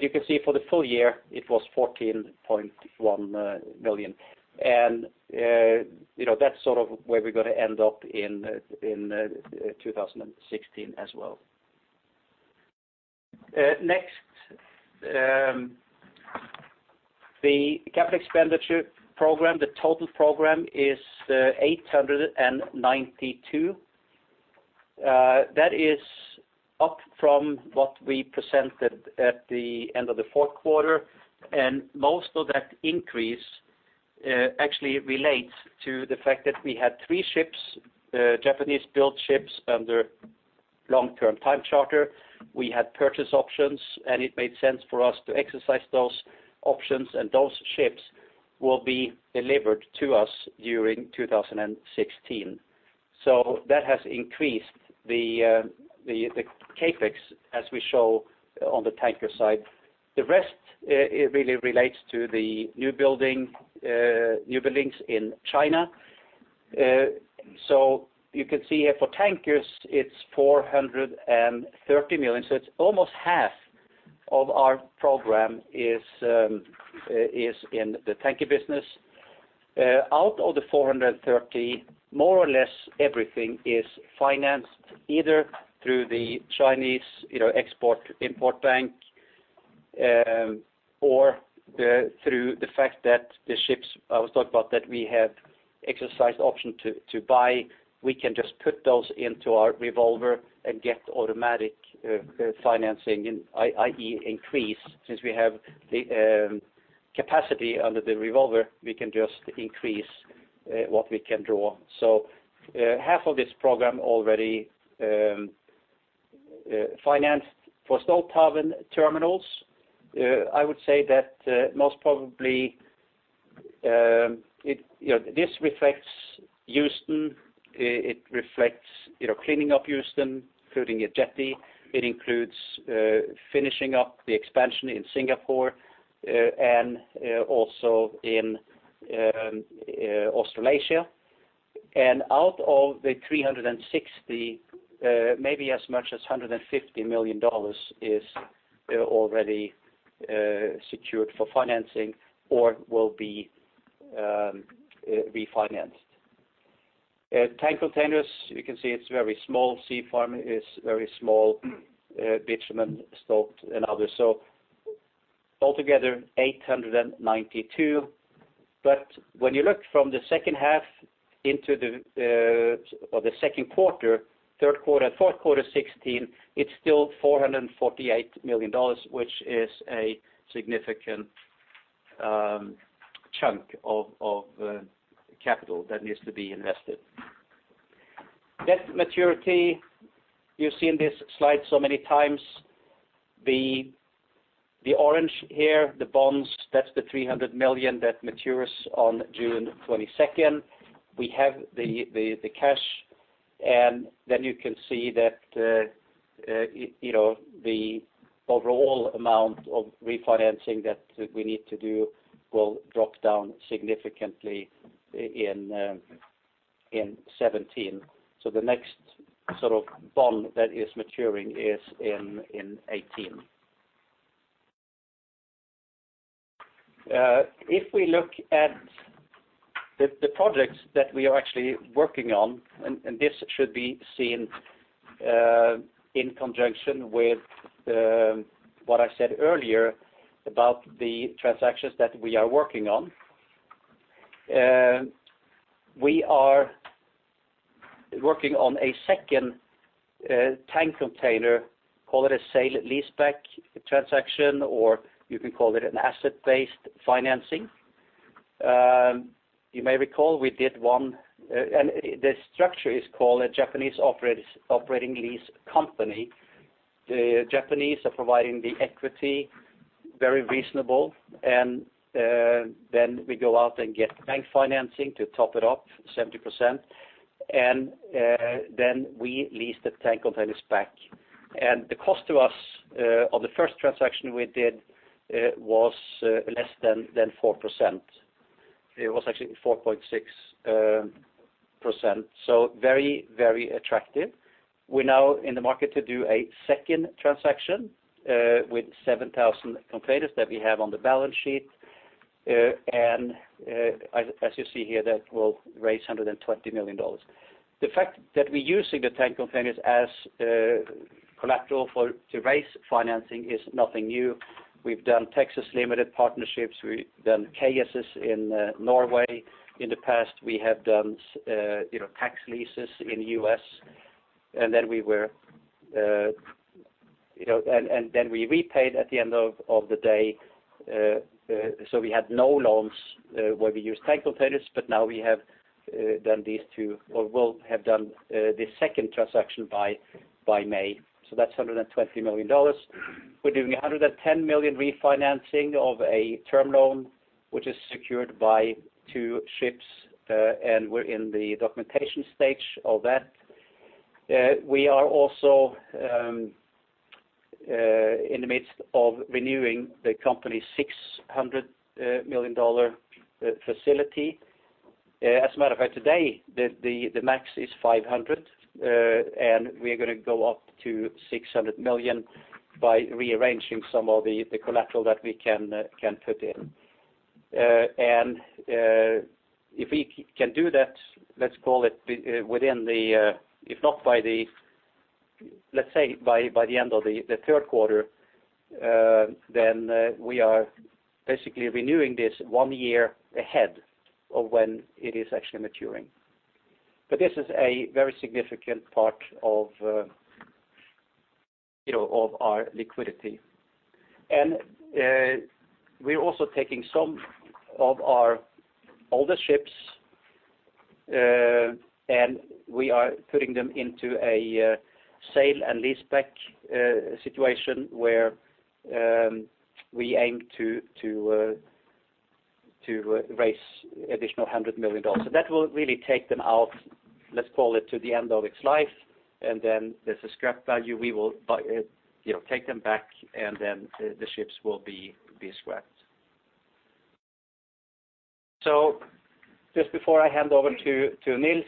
You can see for the full year, it was $14.1 million. That is sort of where we are going to end up in 2016 as well. Next, the capital expenditure program, the total program is $892 million. That is up from what we presented at the end of the fourth quarter, and most of that increase actually relates to the fact that we had three ships, Japanese-built ships under long-term time charter. We had purchase options, and it made sense for us to exercise those options, and those ships will be delivered to us during 2016. That has increased the CapEx as we show on the tanker side. The rest really relates to the new buildings in China. You can see here for tankers, it's $430 million. It's almost half of our program is in the tanker business. Out of the $430, more or less everything is financed either through the Chinese Export-Import Bank or through the fact that the ships I was talking about that we have exercised option to buy, we can just put those into our revolver and get automatic financing, i.e., increase. Since we have the capacity under the revolver, we can just increase what we can draw. Half of this program already financed. For Stolthaven Terminals, I would say that most probably this reflects Houston. It reflects cleaning up Houston, including a jetty. It includes finishing up the expansion in Singapore and also in Australasia. Out of the $360 million, maybe as much as $150 million is already secured for financing or will be refinanced. Tank Containers, you can see it's very small. Sea Farm is very small. Bitumen, Stolt and others. Altogether, $892 million. When you look from the second quarter, third quarter, fourth quarter 2016, it's still $448 million, which is a significant chunk of capital that needs to be invested. Debt maturity, you've seen this slide so many times. The orange here, the bonds, that's the $300 million that matures on June 22nd. We have the cash, you can see that the overall amount of refinancing that we need to do will drop down significantly in 2017. The next bond that is maturing is in 2018. If we look at the projects that we are actually working on, this should be seen in conjunction with what I said earlier about the transactions that we are working on. We are working on a second tank container, call it a sale and lease back transaction, or you can call it an asset-based financing. You may recall we did one, the structure is called a Japanese Operating Lease Company. The Japanese are providing the equity very reasonable, we go out and get bank financing to top it up 70%, we lease the tank containers back. The cost to us on the first transaction we did was less than 4%. It was actually 4.6%, very attractive. We're now in the market to do a second transaction with 7,000 containers that we have on the balance sheet, as you see here, that will raise $120 million. The fact that we're using the tank containers as collateral to raise financing is nothing new. We've done Texas limited partnerships. We've done KSS in Norway. In the past, we have done tax leases in the U.S., we repaid at the end of the day. We had no loans where we used tank containers, but now we have done these two, or will have done the second transaction by May. That's $120 million. We are doing $110 million refinancing of a term loan, which is secured by two ships, and we are in the documentation stage of that. We are also in the midst of renewing the company's $600 million facility. As a matter of fact, today, the max is $500 million, and we are going to go up to $600 million by rearranging some of the collateral that we can put in. If we can do that, let's say by the end of the third quarter, then we are basically renewing this one year ahead of when it is actually maturing. This is a very significant part of our liquidity. We are also taking some of our older ships, and we are putting them into a sale and lease back situation where we aim to raise additional $100 million. That will really take them out, let's call it to the end of its life, and then there's a scrap value. We will take them back, and then the ships will be scrapped. Just before I hand over to Niels,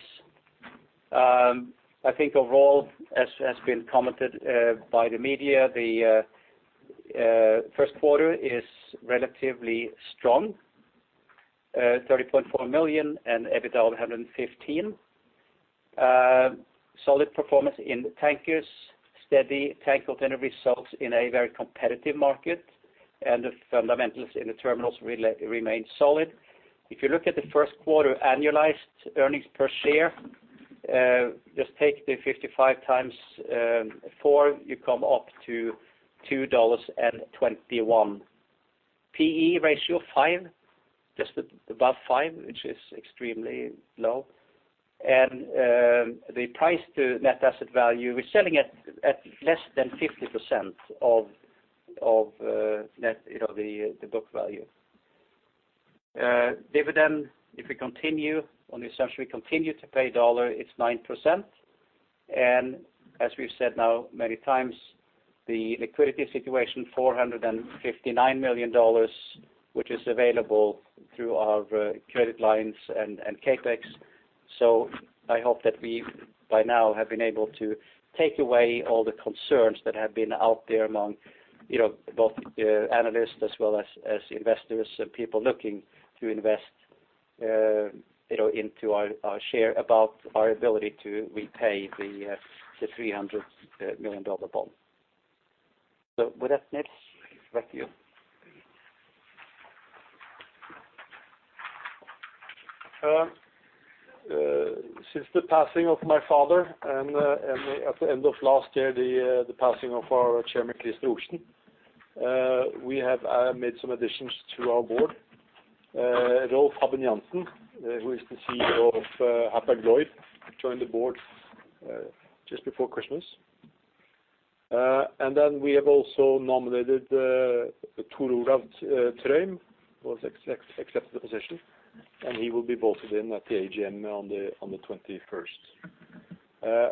I think overall, as has been commented by the media, the first quarter is relatively strong, $30.4 million and EBITDA of $115 million. Solid performance in tankers, steady tank container results in a very competitive market, and the fundamentals in the terminals remain solid. If you look at the first quarter annualized earnings per share, just take the 55 times four, you come up to $2.21. P/E ratio five, just above five, which is extremely low. The price to net asset value, we are selling at less than 50% of net, the book value. Dividend, if we continue on the assumption we continue to pay $1, it's 9%. As we've said now many times, the liquidity situation, $459 million, which is available through our credit lines and CapEx. I hope that we by now have been able to take away all the concerns that have been out there among both analysts as well as investors and people looking to invest into our share about our ability to repay the $300 million bond. With that, Niels, back to you. Since the passing of my father and at the end of last year, the passing of our chairman, Christer Østmoen, we have made some additions to our board. Rolf Habben Jansen, who is the CEO of Hapag-Lloyd, joined the board just before Christmas. We have also nominated Tor Olav Trøim, who has accepted the position, and he will be voted in at the AGM on the 21st.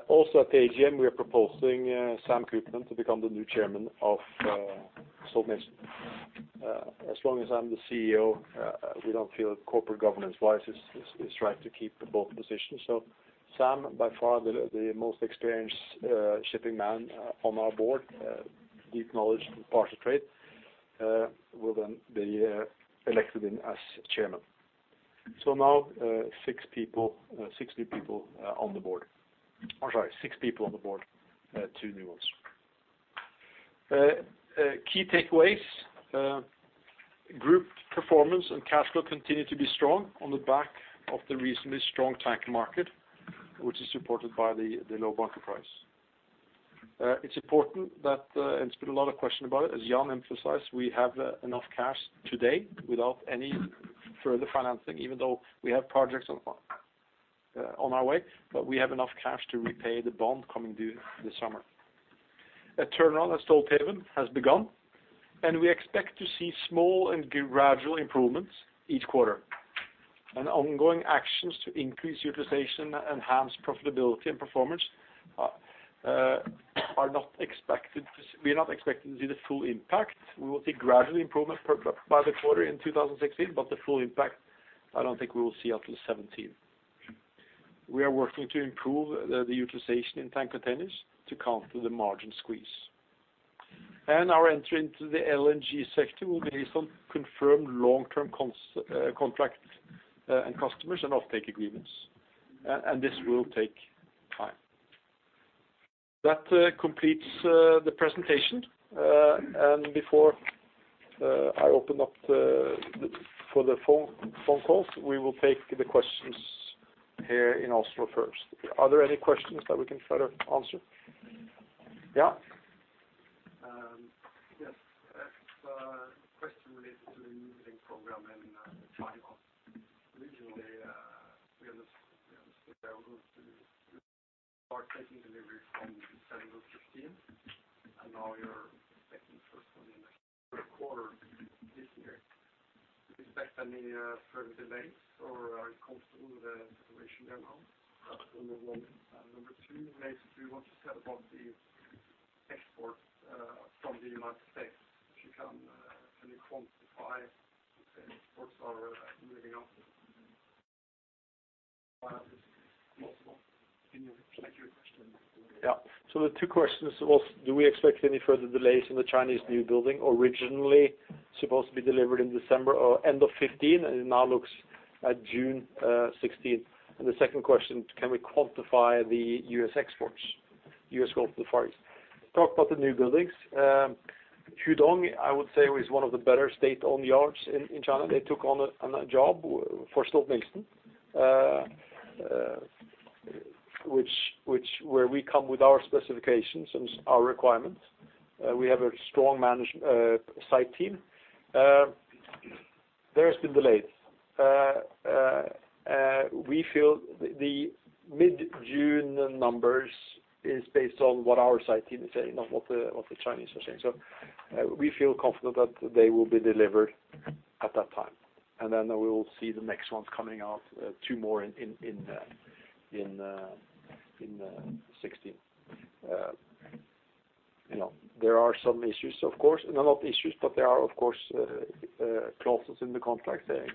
Also at the AGM, we are proposing Samuel Cooperman to become the new chairman of Stolt-Nielsen. As long as I'm the CEO, we don't feel corporate governance wise, it's right to keep both positions. Sam, by far the most experienced shipping man on our board, deep knowledge in the parcel trade, will then be elected in as chairman. Now six new people on the board. I'm sorry, six people on the board, two new ones. Key takeaways. Group performance and cash flow continue to be strong on the back of the reasonably strong tanker market, which is supported by the low bunker price. It is important that, there has been a lot of question about it, as Jan emphasized, we have enough cash today without any further financing, even though we have projects on our way. We have enough cash to repay the bond coming due this summer. A turnaround at Stolt Sea Farm has begun. We expect to see small and gradual improvements each quarter. Ongoing actions to increase utilization, enhance profitability and performance, we are not expecting to see the full impact. We will see gradual improvement by the quarter in 2016. The full impact, I do not think we will see until 2017. We are working to improve the utilization in Stolt Tank Containers to counter the margin squeeze. Our entry into the LNG sector will be based on confirmed long-term contract and customers and offtake agreements. This will take time. That completes the presentation. Before I open up for the phone calls, we will take the questions here in Oslo first. Are there any questions that we can try to answer? Yes. A question related to the new building program in China. Originally, we understood that you were going to start taking delivery from December 2015, and now you are expecting the first one in the first quarter this year. Do you expect any further delays, or are you comfortable with the situation there now? That is number 1. Number 2 is, what you said about the exports from the U.S. If you can really quantify the exports are moving up. If possible. Thank you. The two questions was, do we expect any further delays in the Chinese new building, originally supposed to be delivered in December or end of 2015, and it now looks at June 2016. The second question, can we quantify the U.S. exports, U.S. Gulf to the Far East? Talk about the new buildings. Hudong, I would say, is one of the better state-owned yards in China. They took on a job for Stolt-Nielsen, where we come with our specifications and our requirements. We have a strong site team. There has been delays. We feel the mid-June numbers is based on what our site team is saying, not what the Chinese are saying. We feel confident that they will be delivered at that time. Then we will see the next ones coming out, two more in 2016. There are some issues, of course. Not issues, but there are, of course, clauses in the contract saying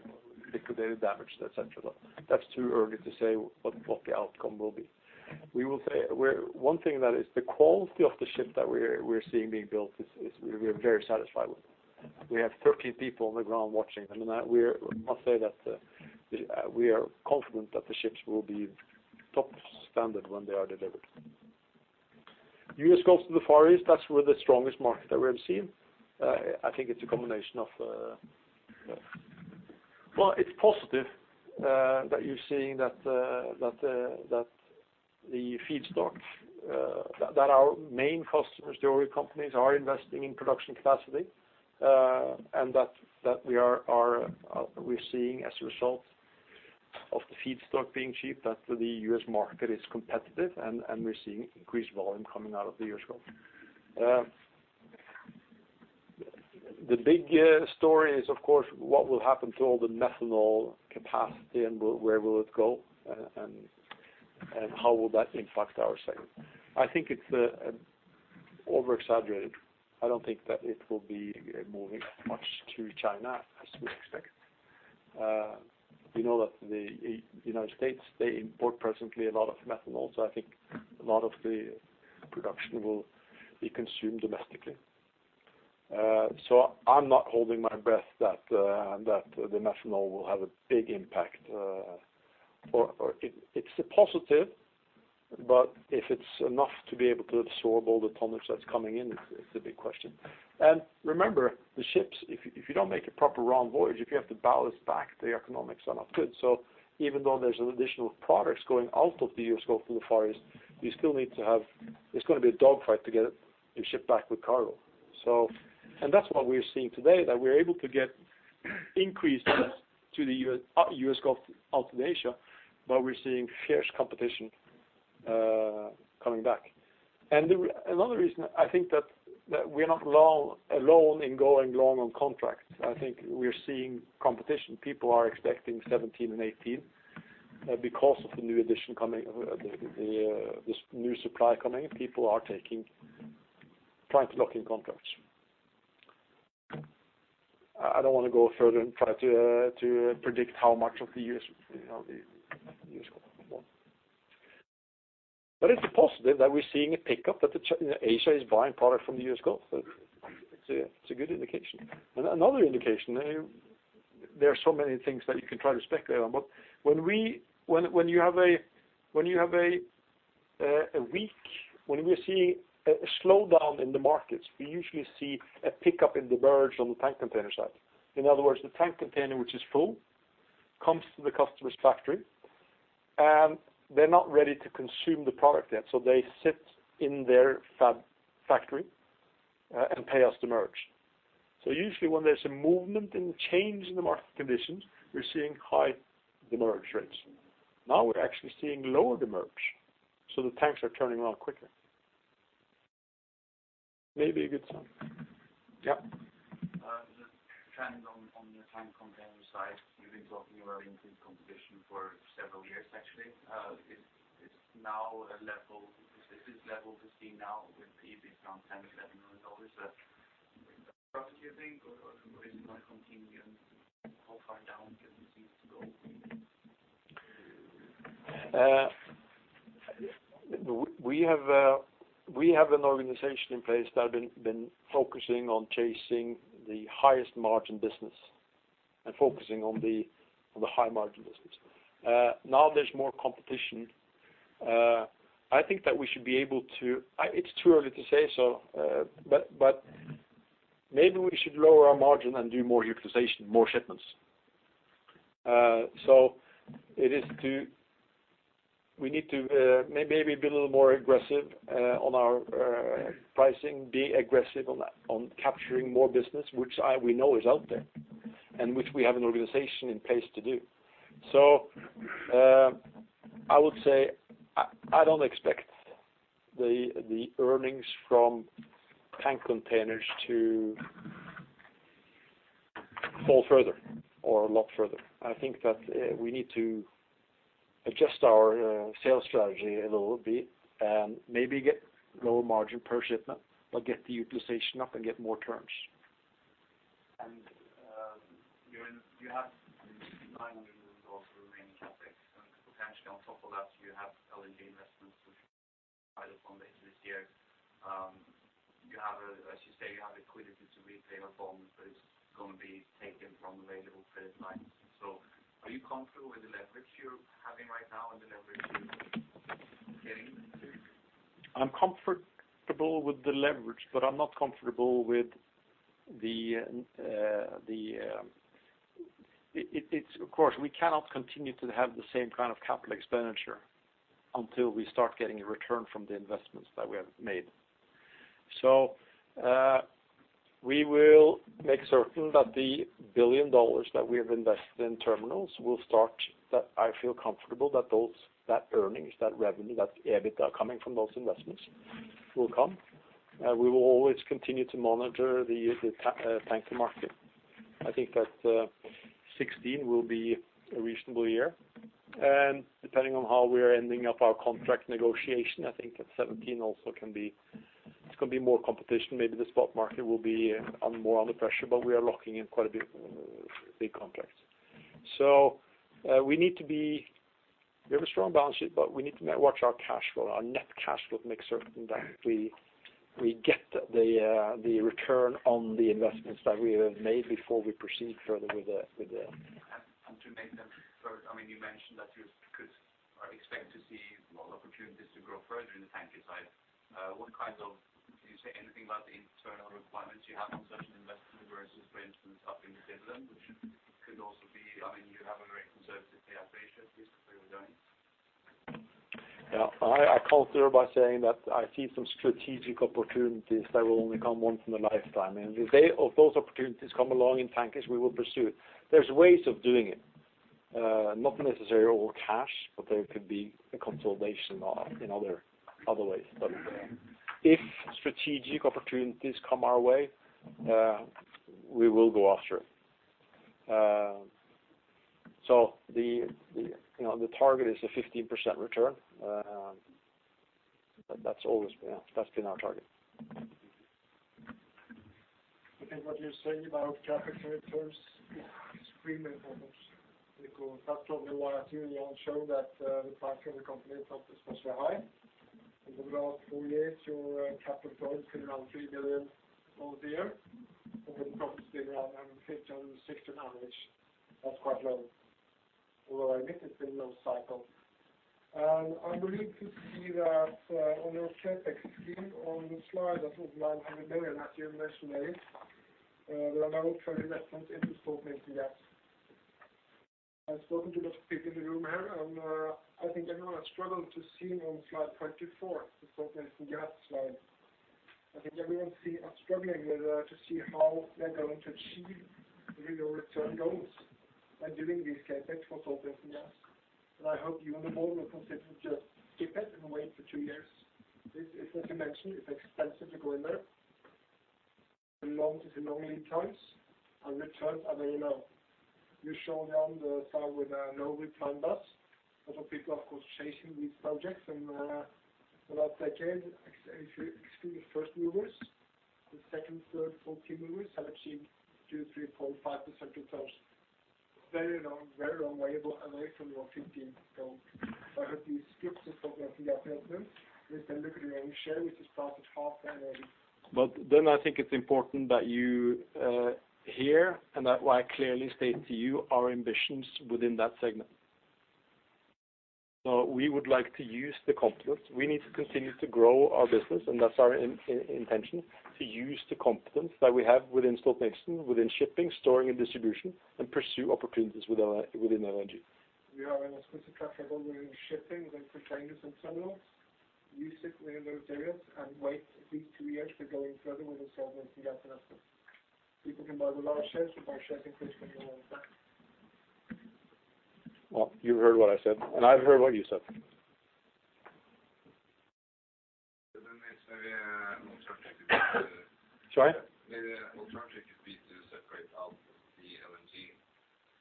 liquidated damage, et cetera. That's too early to say what the outcome will be. One thing that is the quality of the ship that we're seeing being built is we are very satisfied with. We have 13 people on the ground watching them, and I must say that we are confident that the ships will be top standard when they are delivered. U.S. Gulf to the Far East, that's the strongest market that we have seen. Well, it's positive that you're seeing that the feedstock that our main customers, the oil companies, are investing in production capacity, and that we're seeing as a result of the feedstock being cheap, that the U.S. market is competitive and we're seeing increased volume coming out of the U.S. Gulf. The big story is, of course, what will happen to all the methanol capacity and where will it go, and how will that impact our segment. I think it's over-exaggerated. I don't think that it will be moving as much to China as we expect. We know that the United States, they import presently a lot of methanol. I think a lot of the production will be consumed domestically. I'm not holding my breath that the methanol will have a big impact. It's a positive, but if it's enough to be able to absorb all the tonnage that's coming in, it's the big question. Remember, the ships, if you don't make a proper round voyage, if you have to ballast back, the economics are not good. Even though there's additional products going out of the U.S. Gulf to the Far East, it's going to be a dog fight to get your ship back with cargo. That's what we are seeing today, that we are able to get increased business to the U.S. Gulf out to Asia, but we're seeing fierce competition coming back. Another reason, I think that we are not alone in going long on contracts. I think we are seeing competition. People are expecting 2017 and 2018 because of this new supply coming, people are trying to lock in contracts. I don't want to go further and try to predict how much of the U.S. Gulf. It's positive that we're seeing a pickup, that Asia is buying product from the U.S. Gulf. It's a good indication. Another indication, there are so many things that you can try to speculate on, but when you have a week, when we see a slowdown in the markets, we usually see a pickup in demurrage on the tank container side. In other words, the tank container, which is full, comes to the customer's factory, and they are not ready to consume the product yet, so they sit in their factory and pay us demurrage. Usually when there's a movement and change in the market conditions, we're seeing high demurrage rates. We're actually seeing lower demurrage, so the tanks are turning around quicker. Maybe a good sign. Yep. Just trying on the tank container side, we've been talking about increased competition for several years actually. This level to see now with EBIT down $10,000-$11,000, is that a prospect you think or is it going to continue and how far down can we see this go? We have an organization in place that have been focusing on chasing the highest margin business and focusing on the high margin business. There's more competition. It's too early to say so, maybe we should lower our margin and do more utilization, more shipments. We need to maybe be a little more aggressive on our pricing, be aggressive on capturing more business, which we know is out there, and which we have an organization in place to do. I would say, I don't expect the earnings from tank containers to fall further or a lot further. I think that we need to adjust our sales strategy a little bit and maybe get lower margin per shipment, but get the utilization up and get more turns. You have $900 million of remaining CapEx and potentially on top of that you have LNG investments, which either from later this year. As you say, you have the liquidity to repay your bonds, but it's going to be taken from available credit lines. Are you comfortable with the leverage you're having right now and the leverage you're getting? I'm comfortable with the leverage, but I'm not comfortable with the Of course, we cannot continue to have the same kind of capital expenditure until we start getting a return from the investments that we have made. We will make certain that the billion dollars that we have invested in terminals will start, that I feel comfortable that earnings, that revenue, that EBIT are coming from those investments will come. We will always continue to monitor the tanker market. I think that 2016 will be a reasonable year, depending on how we are ending up our contract negotiation, I think that 2017 also it's going to be more competition. Maybe the spot market will be more under pressure, but we are locking in quite a bit big contracts. We have a strong balance sheet, we need to watch our cash flow, our net cash flow to make certain that we get the return on the investments that we have made before we proceed further with. To make them further, you mentioned that you could or expect to see more opportunities to grow further in the Tanker side. Can you say anything about the internal requirements you have on certain investments versus, for instance, upping the dividend? You have a very conservative payout ratio. I consider by saying that I see some strategic opportunities that will only come once in a lifetime. The day those opportunities come along in Tankers, we will pursue it. There's ways of doing it. Not necessary all cash, there could be a consolidation in other ways. If strategic opportunities come our way, we will go after it. The target is a 15% return. That's been our target. I think what you say about capital returns is extremely important because that's probably why I hear you all show that the Tanker, the company is not especially high. In the last four years, your capital returns been around $3 billion a year, and the profit around 15, 16 average. That's quite low. Although I admit it's been low cycle. I believe we see that on your CapEx screen on the slide that was $900 million that you mentioned there is. There are now 20 investments into Stolt-Nielsen Gas. I've spoken to a lot of people in the room here, and I think everyone has struggled to see it on slide 24, the Stolt-Nielsen Gas slide. I think everyone are struggling to see how they're going to achieve your return goals by doing these CapEx for Stolt-Nielsen Gas. I hope you and the board will consider to just skip it and wait for two years. As you mentioned, it's expensive to go in there. It's a long lead times and returns are very low. You show on the slide with a normally planned bus. A lot of people, of course, chasing these projects and for the last decade, if you exclude the first movers, the second, third, fourth key movers have achieved 2%, 3%, 4%, 5% returns. Very long way away from your 15 goals. I hope you skip the Stolt-Nielsen Gas business and look at your own share, which is down to half already. I think it's important that you hear and that why I clearly state to you our ambitions within that segment. We would like to use the competence. We need to continue to grow our business, and that's our intention. To use the competence that we have within Stolt-Nielsen, within shipping, storing, and distribution, and pursue opportunities within LNG. We are an exclusive player within shipping, with containers and terminals. We sit within those areas and wait these two years to go in further with the Stolt-Nielsen Gas business. People can buy the large shares or buy shares in Kristian. Well, you heard what I said, and I've heard what you said. It's maybe an alternative- Sorry? Maybe an alternative could be to separate out the LNG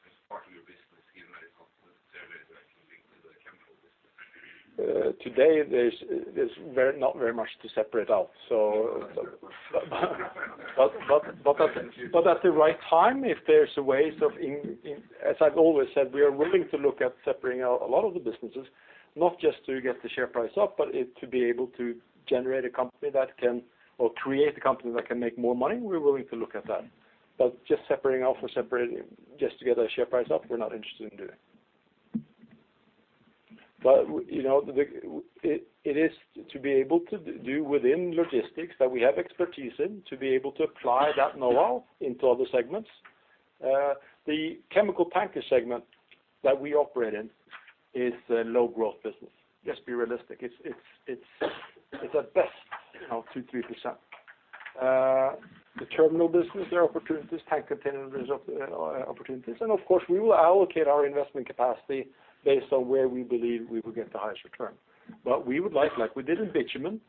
as part of your business, given that it's not necessarily directly linked to the chemical business. Today, there's not very much to separate out. At the right time, if there's ways as I've always said, we are willing to look at separating out a lot of the businesses, not just to get the share price up, but to be able to generate a company or create a company that can make more money. We're willing to look at that. Just separating out for separating, just to get our share price up, we're not interested in doing. It is to be able to do within logistics that we have expertise in, to be able to apply that knowhow into other segments. The chemical tanker segment that we operate in is a low growth business. Just be realistic. It's at best, 2%, 3%. The terminal business, there are opportunities. Tank containers, there's opportunities. Of course, we will allocate our investment capacity based on where we believe we will get the highest return. We would like we did in bitumen,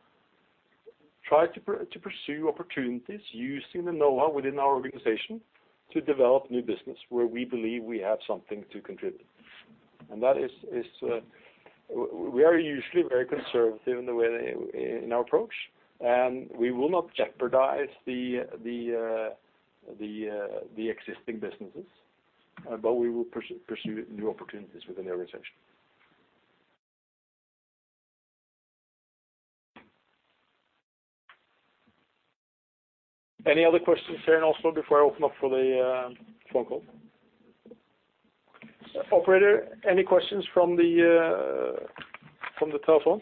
try to pursue opportunities using the knowhow within our organization to develop new business where we believe we have something to contribute. We are usually very conservative in our approach, and we will not jeopardize the existing businesses, but we will pursue new opportunities within the organization. Any other questions here in Oslo before I open up for the phone call? Operator, any questions from the telephone?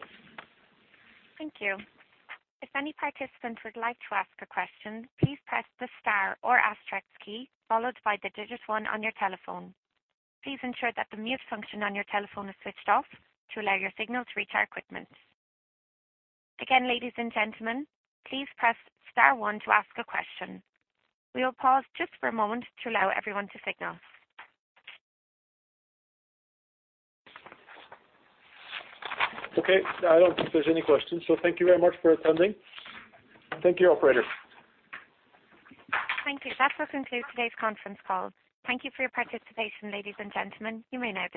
Thank you. If any participant would like to ask a question, please press the star or asterisk key, followed by the digit 1 on your telephone. Please ensure that the mute function on your telephone is switched off to allow your signal to reach our equipment. Again, ladies and gentlemen, please press star 1 to ask a question. We will pause just for a moment to allow everyone to signal. Okay. I don't think there's any questions, thank you very much for attending. Thank you, operator. Thank you. That does conclude today's conference call. Thank you for your participation, ladies and gentlemen. You may now disconnect.